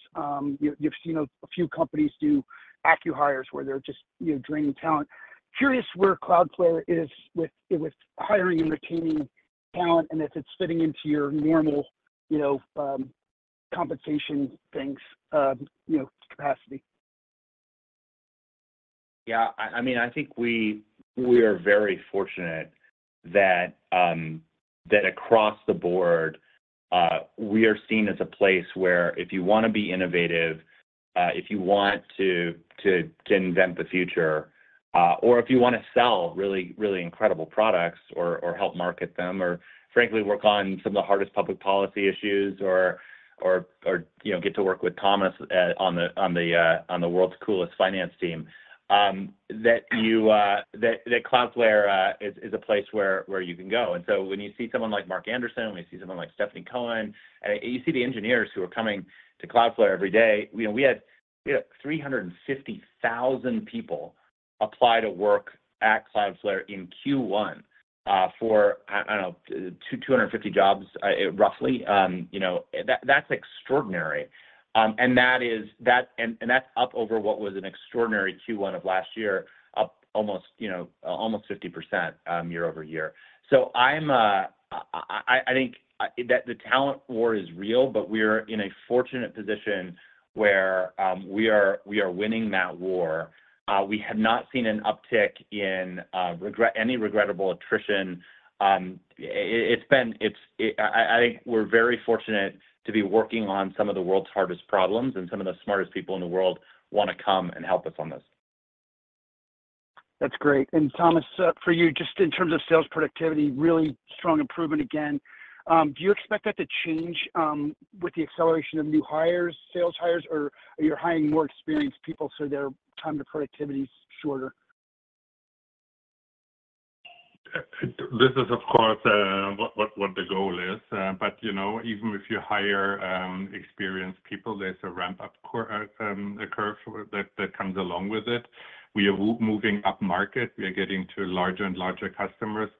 You've seen a few companies do acqui-hires, where they're just, you know, draining talent. Curious where Cloudflare is with hiring and retaining talent, and if it's fitting into your normal, you know, compensation things, you know, capacity? Yeah, I mean, I think we are very fortunate that across the board, we are seen as a place where if you wanna be innovative, if you want to invent the future, or if you wanna sell really, really incredible products or help market them, or frankly, work on some of the hardest public policy issues, or you know, get to work with Thomas on the world's coolest finance team, that Cloudflare is a place where you can go. And so when you see someone like Mark Anderson, when you see someone like Stephanie Cohen, and you see the engineers who are coming to Cloudflare every day. You know, we had 350,000 people apply to work at Cloudflare in Q1, for, I don't know, 250 jobs, roughly. You know, that's extraordinary. That's up over what was an extraordinary Q1 of last year, up almost, you know, almost 50%, year-over-year. So I think that the talent war is real, but we're in a fortunate position where we are winning that war. We have not seen an uptick in any regrettable attrition. It's been, I think we're very fortunate to be working on some of the world's hardest problems, and some of the smartest people in the world wanna come and help us on this. That's great. And Thomas, for you, just in terms of sales productivity, really strong improvement again. Do you expect that to change, with the acceleration of new hires, sales hires, or are you hiring more experienced people, so their time to productivity is shorter? This is, of course, what the goal is. But, you know, even if you hire experienced people, there's a ramp-up curve for that that comes along with it. We are moving upmarket. We are getting to larger and larger customers,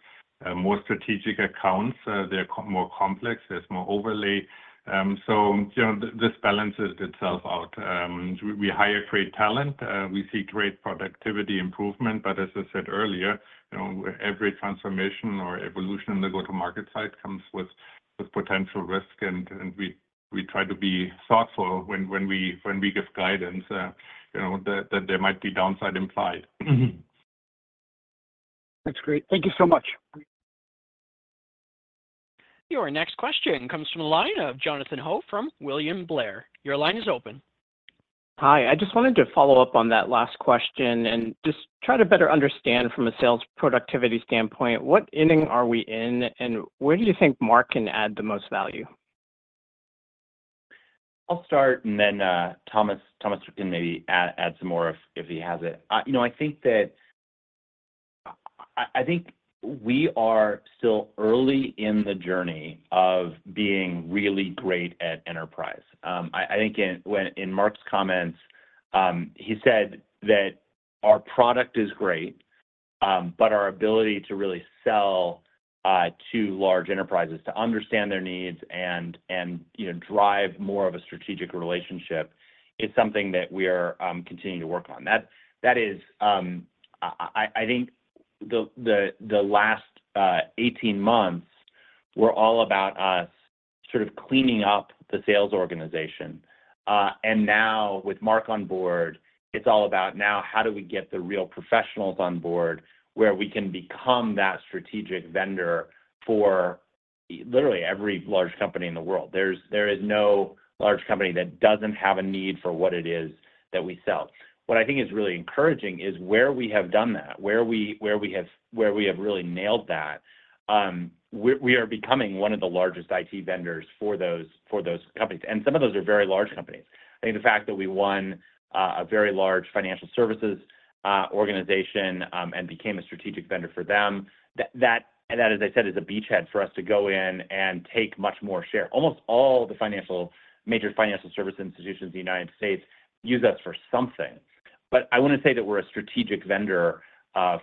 more strategic accounts. They're more complex. There's more overlay. So, you know, this balances itself out. We hire great talent, we see great productivity improvement, but as I said earlier, you know, every transformation or evolution in the go-to-market side comes with potential risk, and we try to be thoughtful when we give guidance, you know, that there might be downside implied. That's great. Thank you so much. Your next question comes from a line of Jonathan Ho from William Blair. Your line is open. Hi. I just wanted to follow up on that last question and just try to better understand from a sales productivity standpoint, what inning are we in, and where do you think Mark can add the most value? I'll start, and then, Thomas can maybe add some more if he has it. You know, I think that I think we are still early in the journey of being really great at enterprise. I think in Mark's comments, he said that our product is great, but our ability to really sell to large enterprises, to understand their needs and, you know, drive more of a strategic relationship, is something that we are continuing to work on. That is, I think the last 18 months were all about us sort of cleaning up the sales organization. Now, with Mark on board, it's all about how do we get the real professionals on board, where we can become that strategic vendor for literally every large company in the world? There is no large company that doesn't have a need for what it is that we sell. What I think is really encouraging is where we have done that, where we have really nailed that, we are becoming one of the largest IT vendors for those companies, and some of those are very large companies. I think the fact that we won a very large financial services organization and became a strategic vendor for them, that and that, as I said, is a beachhead for us to go in and take much more share. Almost all major financial service institutions in the United States use us for something. But I wouldn't say that we're a strategic vendor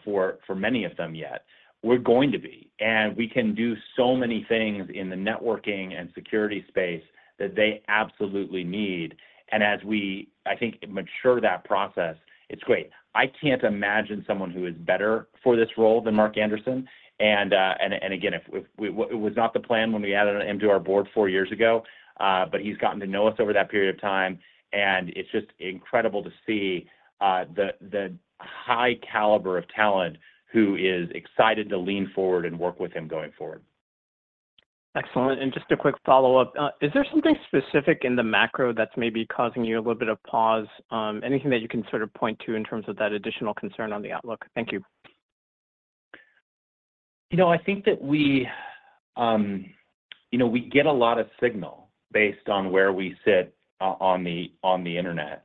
for many of them yet. We're going to be, and we can do so many things in the networking and security space that they absolutely need, and as we, I think, mature that process, it's great. I can't imagine someone who is better for this role than Mark Anderson. And again, if it was not the plan when we added him to our board four years ago, but he's gotten to know us over that period of time, and it's just incredible to see the high caliber of talent who is excited to lean forward and work with him going forward. Excellent. And just a quick follow-up, is there something specific in the macro that's maybe causing you a little bit of pause? Anything that you can sort of point to in terms of that additional concern on the outlook? Thank you. You know, I think that we, you know, we get a lot of signal based on where we sit on the internet.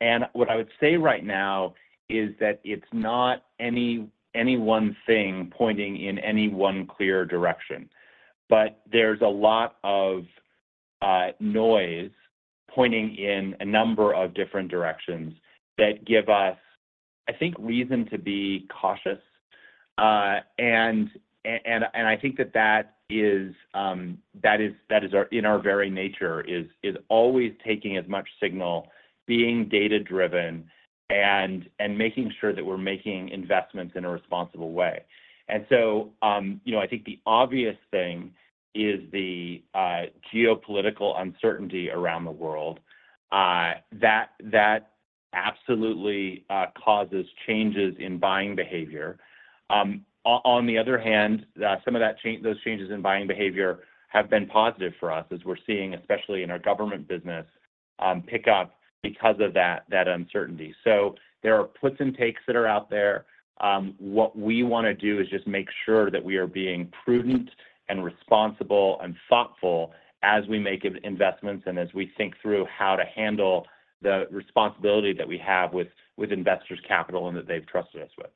And what I would say right now is that it's not any one thing pointing in any one clear direction, but there's a lot of noise pointing in a number of different directions that give us, I think, reason to be cautious. And I think that that is in our very nature, is always taking as much signal, being data-driven, and making sure that we're making investments in a responsible way. And so, you know, I think the obvious thing is the geopolitical uncertainty around the world. That absolutely causes changes in buying behavior. On the other hand, some of those changes in buying behavior have been positive for us as we're seeing, especially in our government business, pick up because of that uncertainty. So there are puts and takes that are out there. What we wanna do is just make sure that we are being prudent, and responsible, and thoughtful as we make investments and as we think through how to handle the responsibility that we have with investors' capital and that they've trusted us with.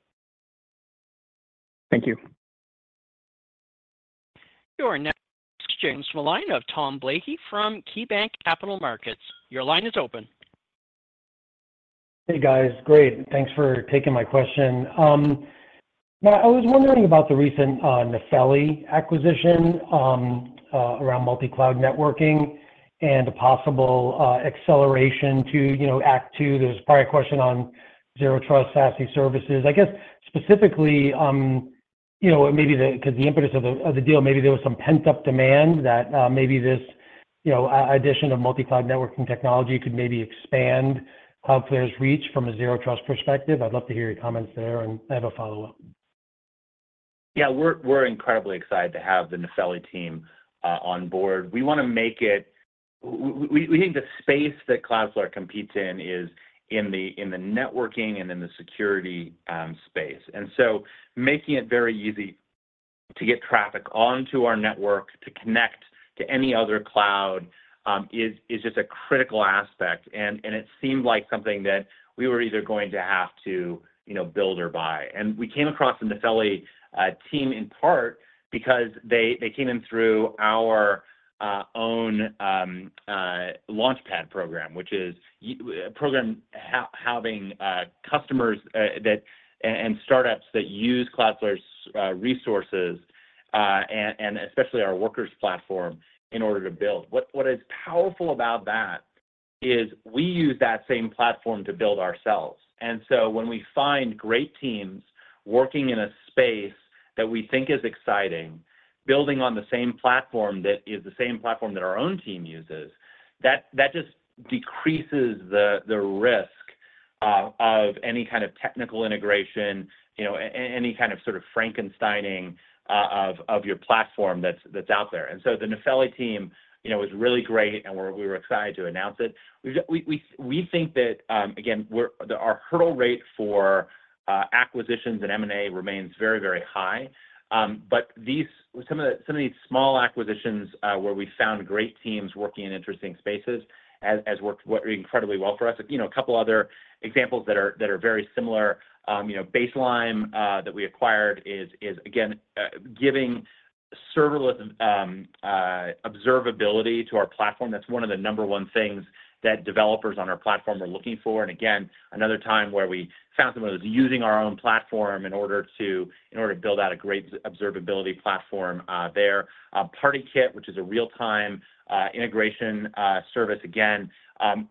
Thank you. Your next question is from the line of Tom Blakey from KeyBanc Capital Markets. Your line is open. Hey, guys. Great, thanks for taking my question. I was wondering about the recent Nefeli acquisition around multi-cloud networking and a possible acceleration to, you know, Act Two. There was probably a question on Zero Trust SASE services. I guess, specifically, you know, maybe the, 'cause the impetus of the deal, maybe there was some pent-up demand that maybe this, you know, addition of multi-cloud networking technology could maybe expand Cloudflare's reach from a Zero Trust perspective. I'd love to hear your comments there, and I have a follow-up. Yeah. We're incredibly excited to have the Nefeli team on board. We wanna make it we think the space that Cloudflare competes in is in the networking and in the security space. And so making it very easy to get traffic onto our network, to connect to any other cloud is just a critical aspect, and it seemed like something that we were either going to have to, you know, build or buy. And we came across the Nefeli team in part because they came in through our own Launchpad program, which is a program having customers and startups that use Cloudflare's resources and especially our Workers' platform, in order to build. What is powerful about that is we use that same platform to build ourselves. And so when we find great teams working in a space that we think is exciting, building on the same platform that is the same platform that our own team uses, that just decreases the risk of any kind of technical integration, you know, any kind of sort of Frankensteining of your platform that's out there. And so the Nefeli team, you know, is really great, and we were excited to announce it. We think that, again, our hurdle rate for acquisitions and M&A remains very, very high. But these, some of these small acquisitions, where we found great teams working in interesting spaces, has worked incredibly well for us. You know, a couple other examples that are very similar, you know, Baselime that we acquired is, again, giving serverless observability to our platform. That's one of the number one things that developers on our platform are looking for. And again, another time where we found someone who was using our own platform in order to build out a great observability platform there. PartyKit, which is a real-time integration service, again,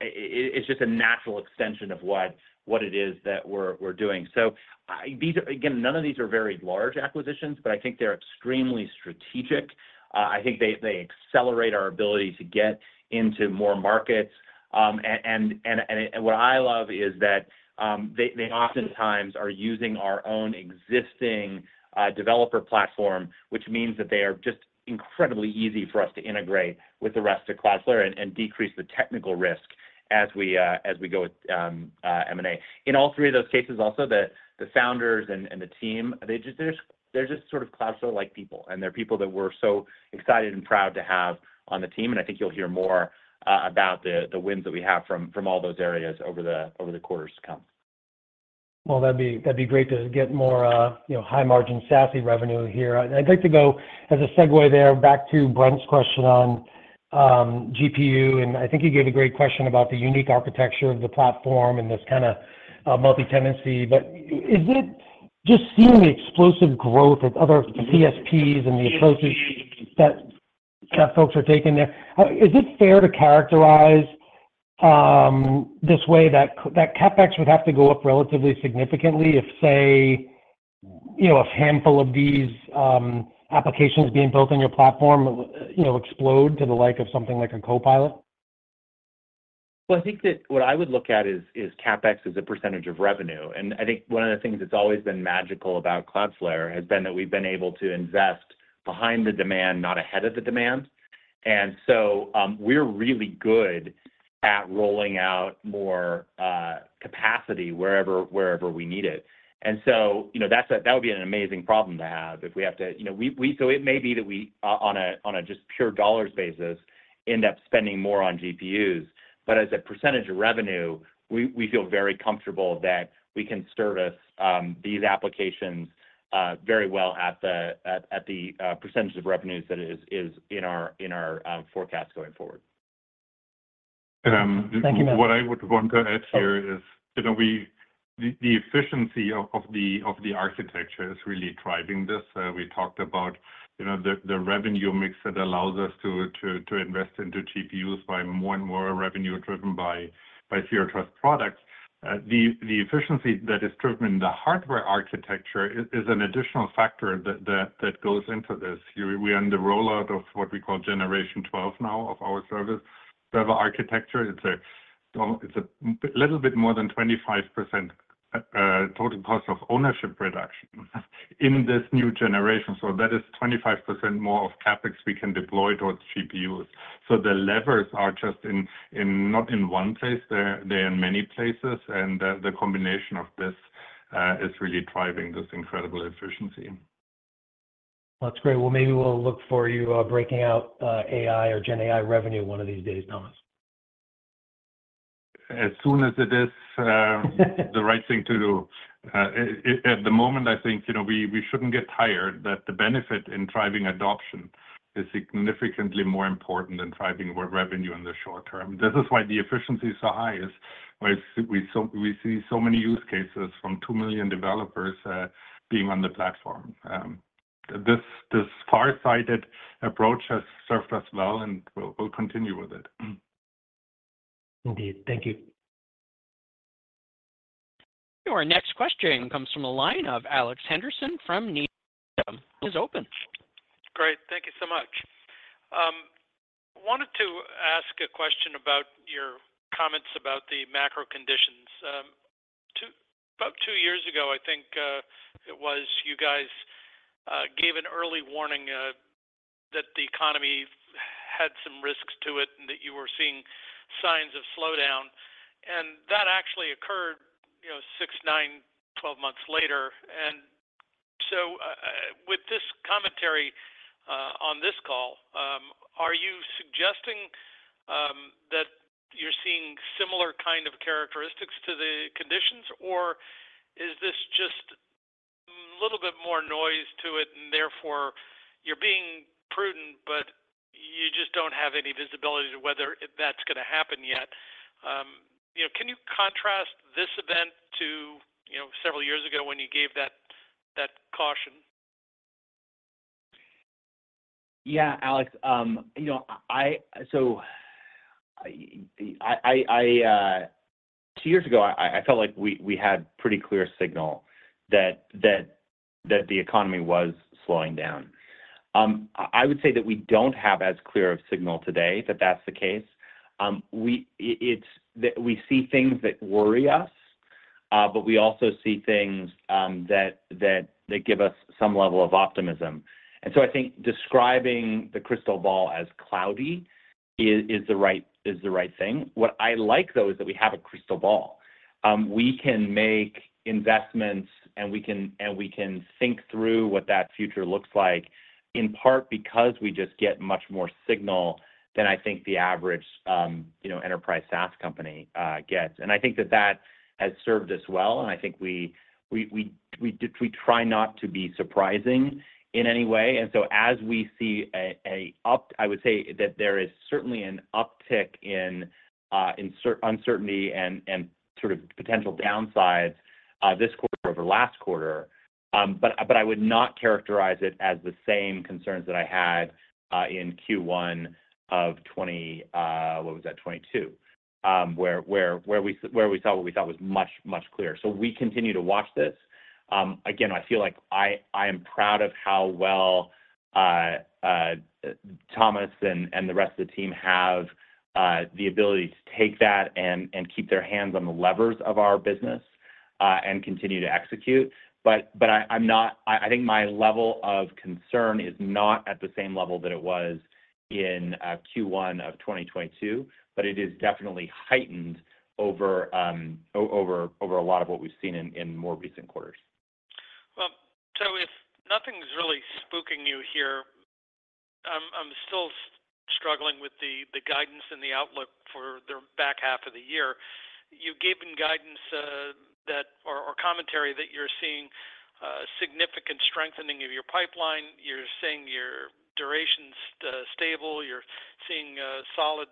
it's just a natural extension of what it is that we're doing. So, these are again, none of these are very large acquisitions, but I think they're extremely strategic. I think they accelerate our ability to get into more markets. What I love is that they oftentimes are using our own existing developer platform, which means that they are just incredibly easy for us to integrate with the rest of Cloudflare and decrease the technical risk as we go with M&A. In all three of those cases, also, the founders and the team, they're just sort of Cloudflare-like people, and they're people that we're so excited and proud to have on the team, and I think you'll hear more about the wins that we have from all those areas over the quarters to come. Well, that'd be, that'd be great to get more, you know, high-margin SASE revenue here. I'd like to go, as a segue there, back to Brent's question on, GPU, and I think he gave a great question about the unique architecture of the platform and this kinda, multi-tenancy. But is it just seeing the explosive growth of other CSPs and the approaches that, that folks are taking there, is it fair to characterize, this way, that that CapEx would have to go up relatively significantly if, say, you know, a handful of these, applications being built on your platform, you know, explode to the like of something like a Copilot? Well, I think that what I would look at is CapEx as a percentage of revenue. And I think one of the things that's always been magical about Cloudflare has been that we've been able to invest behind the demand, not ahead of the demand. And so, we're really good at rolling out more capacity wherever we need it. And so, you know, that would be an amazing problem to have if we have to. You know, so it may be that we on a just pure dollars basis end up spending more on GPUs, but as a percentage of revenue, we feel very comfortable that we can service these applications very well at the percentage of revenues that is in our forecast going forward. And, um- Thank you, Matt. What I would want to add here is, you know, we, the efficiency of the architecture is really driving this. We talked about, you know, the revenue mix that allows us to invest into GPUs by more and more revenue driven by Zero Trust products. The efficiency that is driven in the hardware architecture is an additional factor that goes into this. We're in the rollout of what we call Generation 12 now of our service. The architecture, it's a little bit more than 25%, total cost of ownership reduction in this new generation. So that is 25% more of CapEx we can deploy towards GPUs. So the levers are just in, not in one place, they're in many places, and the combination of this is really driving this incredible efficiency. That's great. Well, maybe we'll look for you, breaking out, AI or GenAI revenue one of these days, Thomas. As soon as it is the right thing to do. At the moment, I think, you know, we shouldn't get tired that the benefit in driving adoption is significantly more important than driving more revenue in the short term. This is why the efficiency is so high, where we see so many use cases from 2 million developers being on the platform. This farsighted approach has served us well, and we'll continue with it. Indeed. Thank you. Our next question comes from the line of Alex Henderson from Needham. Line is open. Great. Thank you so much. Wanted to ask a question about your comments about the macro conditions. About 2 years ago, I think, it was, you guys, gave an early warning that the economy had some risks to it, and that you were seeing signs of slowdown. And that actually occurred, you know, 6, 9, 12 months later. And so, with this commentary on this call, are you suggesting that you're seeing similar kind of characteristics to the conditions, or is this just a little bit more noise to it, and therefore, you're being prudent, but you just don't have any visibility to whether that's gonna happen yet? You know, can you contrast this event to, you know, several years ago when you gave that caution? Yeah, Alex, you know, I, So I two years ago, I felt like we had pretty clear signal that the economy was slowing down. I would say that we don't have as clear of signal today that that's the case. We see things that worry us, but we also see things that give us some level of optimism. And so I think describing the crystal ball as cloudy is the right thing. What I like, though, is that we have a crystal ball. We can make investments, and we can think through what that future looks like, in part because we just get much more signal than I think the average, you know, enterprise SaaS company gets. And I think that that has served us well, and I think we try not to be surprising in any way. And so as we see an uptick in uncertainty and sort of potential downsides this quarter over last quarter. But I would not characterize it as the same concerns that I had in Q1 of 2022, where we saw what we thought was much clearer. So we continue to watch this. Again, I feel like I am proud of how well Thomas and the rest of the team have the ability to take that and keep their hands on the levers of our business and continue to execute. But I'm not, I think my level of concern is not at the same level that it was in Q1 of 2022, but it is definitely heightened over a lot of what we've seen in more recent quarters. Well, so if nothing's really spooking you here with the guidance and the outlook for the back half of the year. You gave them guidance that commentary that you're seeing significant strengthening of your pipeline. You're saying your duration's stable, you're seeing solid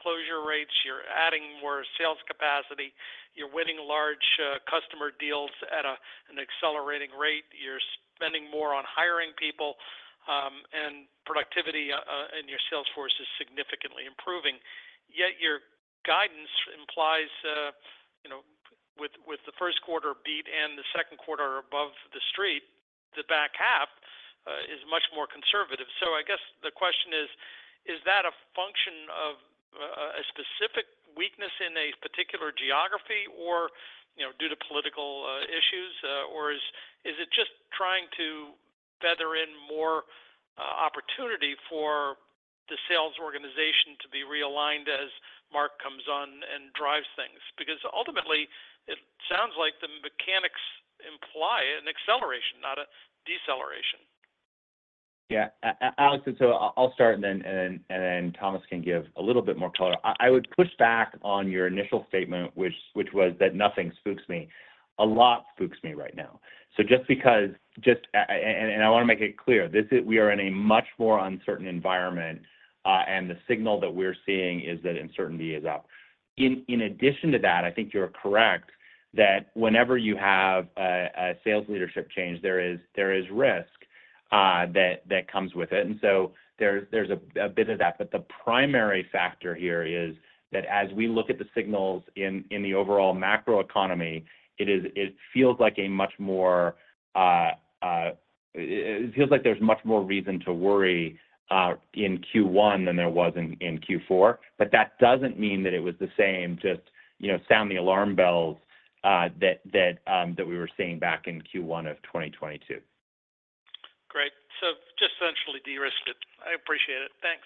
closure rates, you're adding more sales capacity, you're winning large customer deals at an accelerating rate. You're spending more on hiring people and productivity in your sales force is significantly improving. Yet your guidance implies you know, with the first quarter beat and the second quarter above the street, the back half is much more conservative. So I guess the question is: Is that a function of a specific weakness in a particular geography or, you know, due to political issues, or is it just trying to feather in more opportunity for the sales organization to be realigned as Mark comes on and drives things? Because ultimately, it sounds like the mechanics imply an acceleration, not a deceleration. Yeah, Alex, and so I'll start, and then Thomas can give a little bit more color. I would push back on your initial statement, which was that nothing spooks me. A lot spooks me right now. So just because, and I wanna make it clear, this is, we are in a much more uncertain environment, and the signal that we're seeing is that uncertainty is up. In addition to that, I think you're correct that whenever you have a sales leadership change, there is risk that comes with it, and so there's a bit of that. But the primary factor here is that as we look at the signals in the overall macroeconomy, it is, it feels like a much more. It feels like there's much more reason to worry in Q1 than there was in Q4. But that doesn't mean that it was the same just, you know, sound the alarm bells that we were seeing back in Q1 of 2022. Great. So just essentially, de-risk it. I appreciate it. Thanks.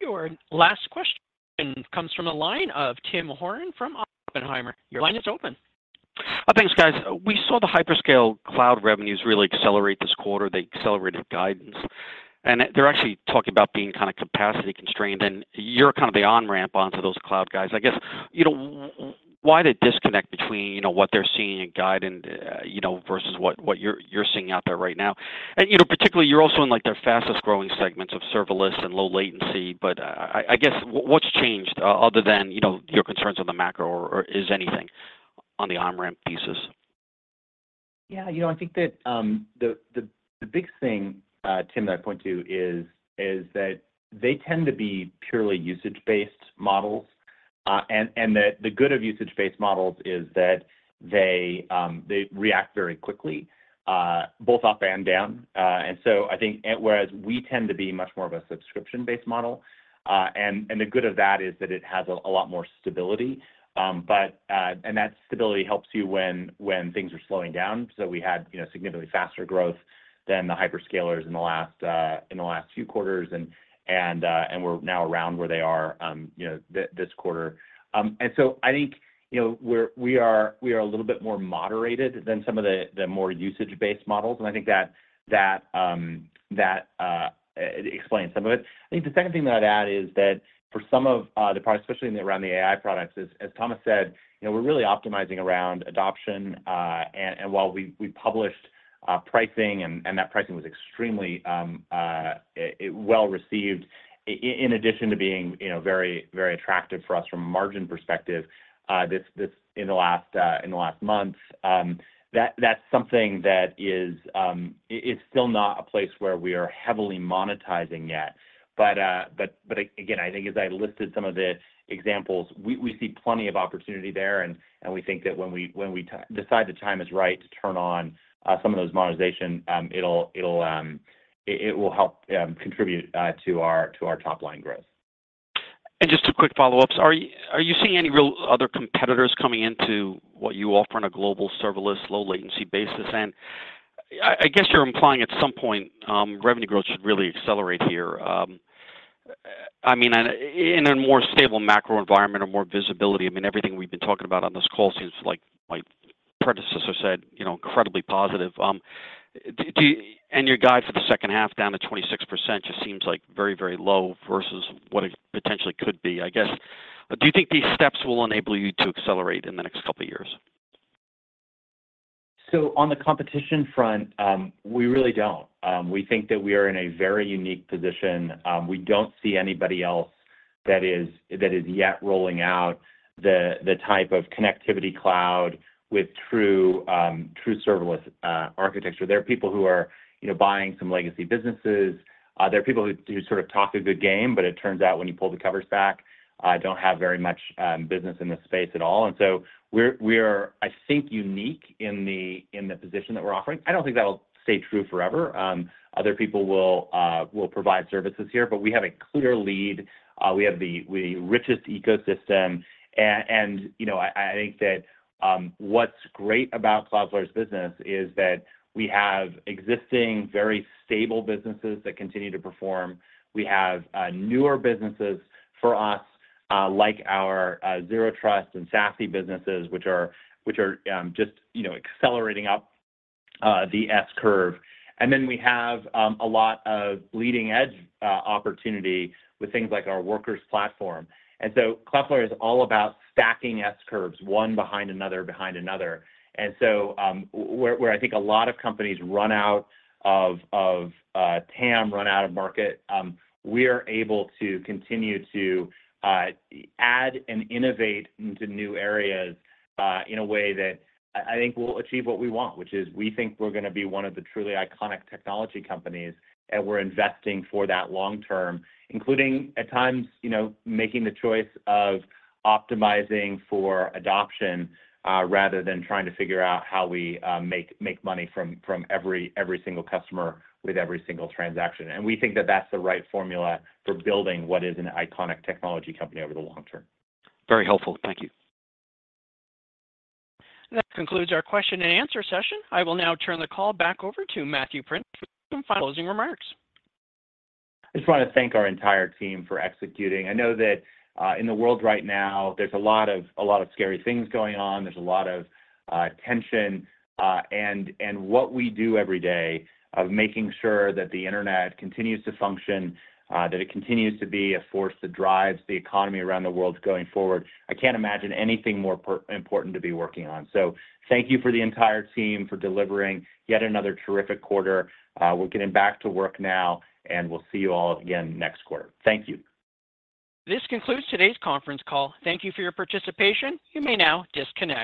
Your last question comes from the line of Tim Horan from Oppenheimer. Your line is open. Thanks, guys. We saw the hyperscale cloud revenues really accelerate this quarter. They accelerated guidance, and they're actually talking about being kind of capacity-constrained, and you're kind of the on-ramp onto those cloud guys. I guess, you know, why the disconnect between, you know, what they're seeing in guidance, you know, versus what you're seeing out there right now? And, you know, particularly, you're also in, like, their fastest-growing segments of serverless and low latency, but I guess, what's changed other than, you know, your concerns on the macro, or is anything on the on-ramp pieces? Yeah, you know, I think that the big thing, Tim, that I point to is that they tend to be purely usage-based models, and the good of usage-based models is that they react very quickly, both up and down. And so I think, whereas we tend to be much more of a subscription-based model, and the good of that is that it has a lot more stability. But that stability helps you when things are slowing down. So we had, you know, significantly faster growth than the hyperscalers in the last few quarters, and we're now around where they are, you know, this quarter. And so I think, you know, we are a little bit more moderated than some of the more usage-based models, and I think that explains some of it. I think the second thing that I'd add is that, for some of the products, especially around the AI products, as Thomas said, you know, we're really optimizing around adoption, and while we published pricing, and that pricing was extremely well-received, in addition to being, you know, very, very attractive for us from a margin perspective, this in the last month, that's something that is, it's still not a place where we are heavily monetizing yet. But again, I think as I listed some of the examples, we see plenty of opportunity there, and we think that when we decide the time is right to turn on some of those monetization, it'll help contribute to our top-line growth. Just two quick follow-ups. Are you seeing any real other competitors coming into what you offer on a global, serverless, low-latency basis? And I guess you're implying at some point, revenue growth should really accelerate here. I mean, and in a more stable macro environment or more visibility, I mean, everything we've been talking about on this call seems like my predecessor said, you know, incredibly positive. And your guide for the second half down to 26% just seems like very, very low versus what it potentially could be. I guess, do you think these steps will enable you to accelerate in the next couple of years? So on the competition front, we really don't. We think that we are in a very unique position. We don't see anybody else that is yet rolling out the type of connectivity cloud with true serverless architecture. There are people who are, you know, buying some legacy businesses. There are people who sort of talk a good game, but it turns out, when you pull the covers back, don't have very much business in this space at all. And so we're, I think, unique in the position that we're offering. I don't think that'll stay true forever. Other people will provide services here, but we have a clear lead. We have the richest ecosystem, and, you know, I think that what's great about Cloudflare's business is that we have existing, very stable businesses that continue to perform. We have newer businesses for us, like our Zero Trust and SASE businesses, which are just, you know, accelerating up the S curve. And then we have a lot of leading-edge opportunity with things like our Workers platform. And so Cloudflare is all about stacking S curves, one behind another, behind another. So, where I think a lot of companies run out of TAM, run out of market, we are able to continue to add and innovate into new areas in a way that I think will achieve what we want, which is we think we're gonna be one of the truly iconic technology companies, and we're investing for that long term, including at times, you know, making the choice of optimizing for adoption rather than trying to figure out how we make money from every single customer with every single transaction. And we think that that's the right formula for building what is an iconic technology company over the long term. Very helpful. Thank you. That concludes our question and answer session. I will now turn the call back over to Matthew Prince for some final closing remarks. I just wanna thank our entire team for executing. I know that, in the world right now, there's a lot of, a lot of scary things going on. There's a lot of tension, and what we do every day of making sure that the internet continues to function, that it continues to be a force that drives the economy around the world going forward, I can't imagine anything more important to be working on. So thank you for the entire team for delivering yet another terrific quarter. We're getting back to work now, and we'll see you all again next quarter. Thank you. This concludes today's conference call. Thank you for your participation. You may now disconnect.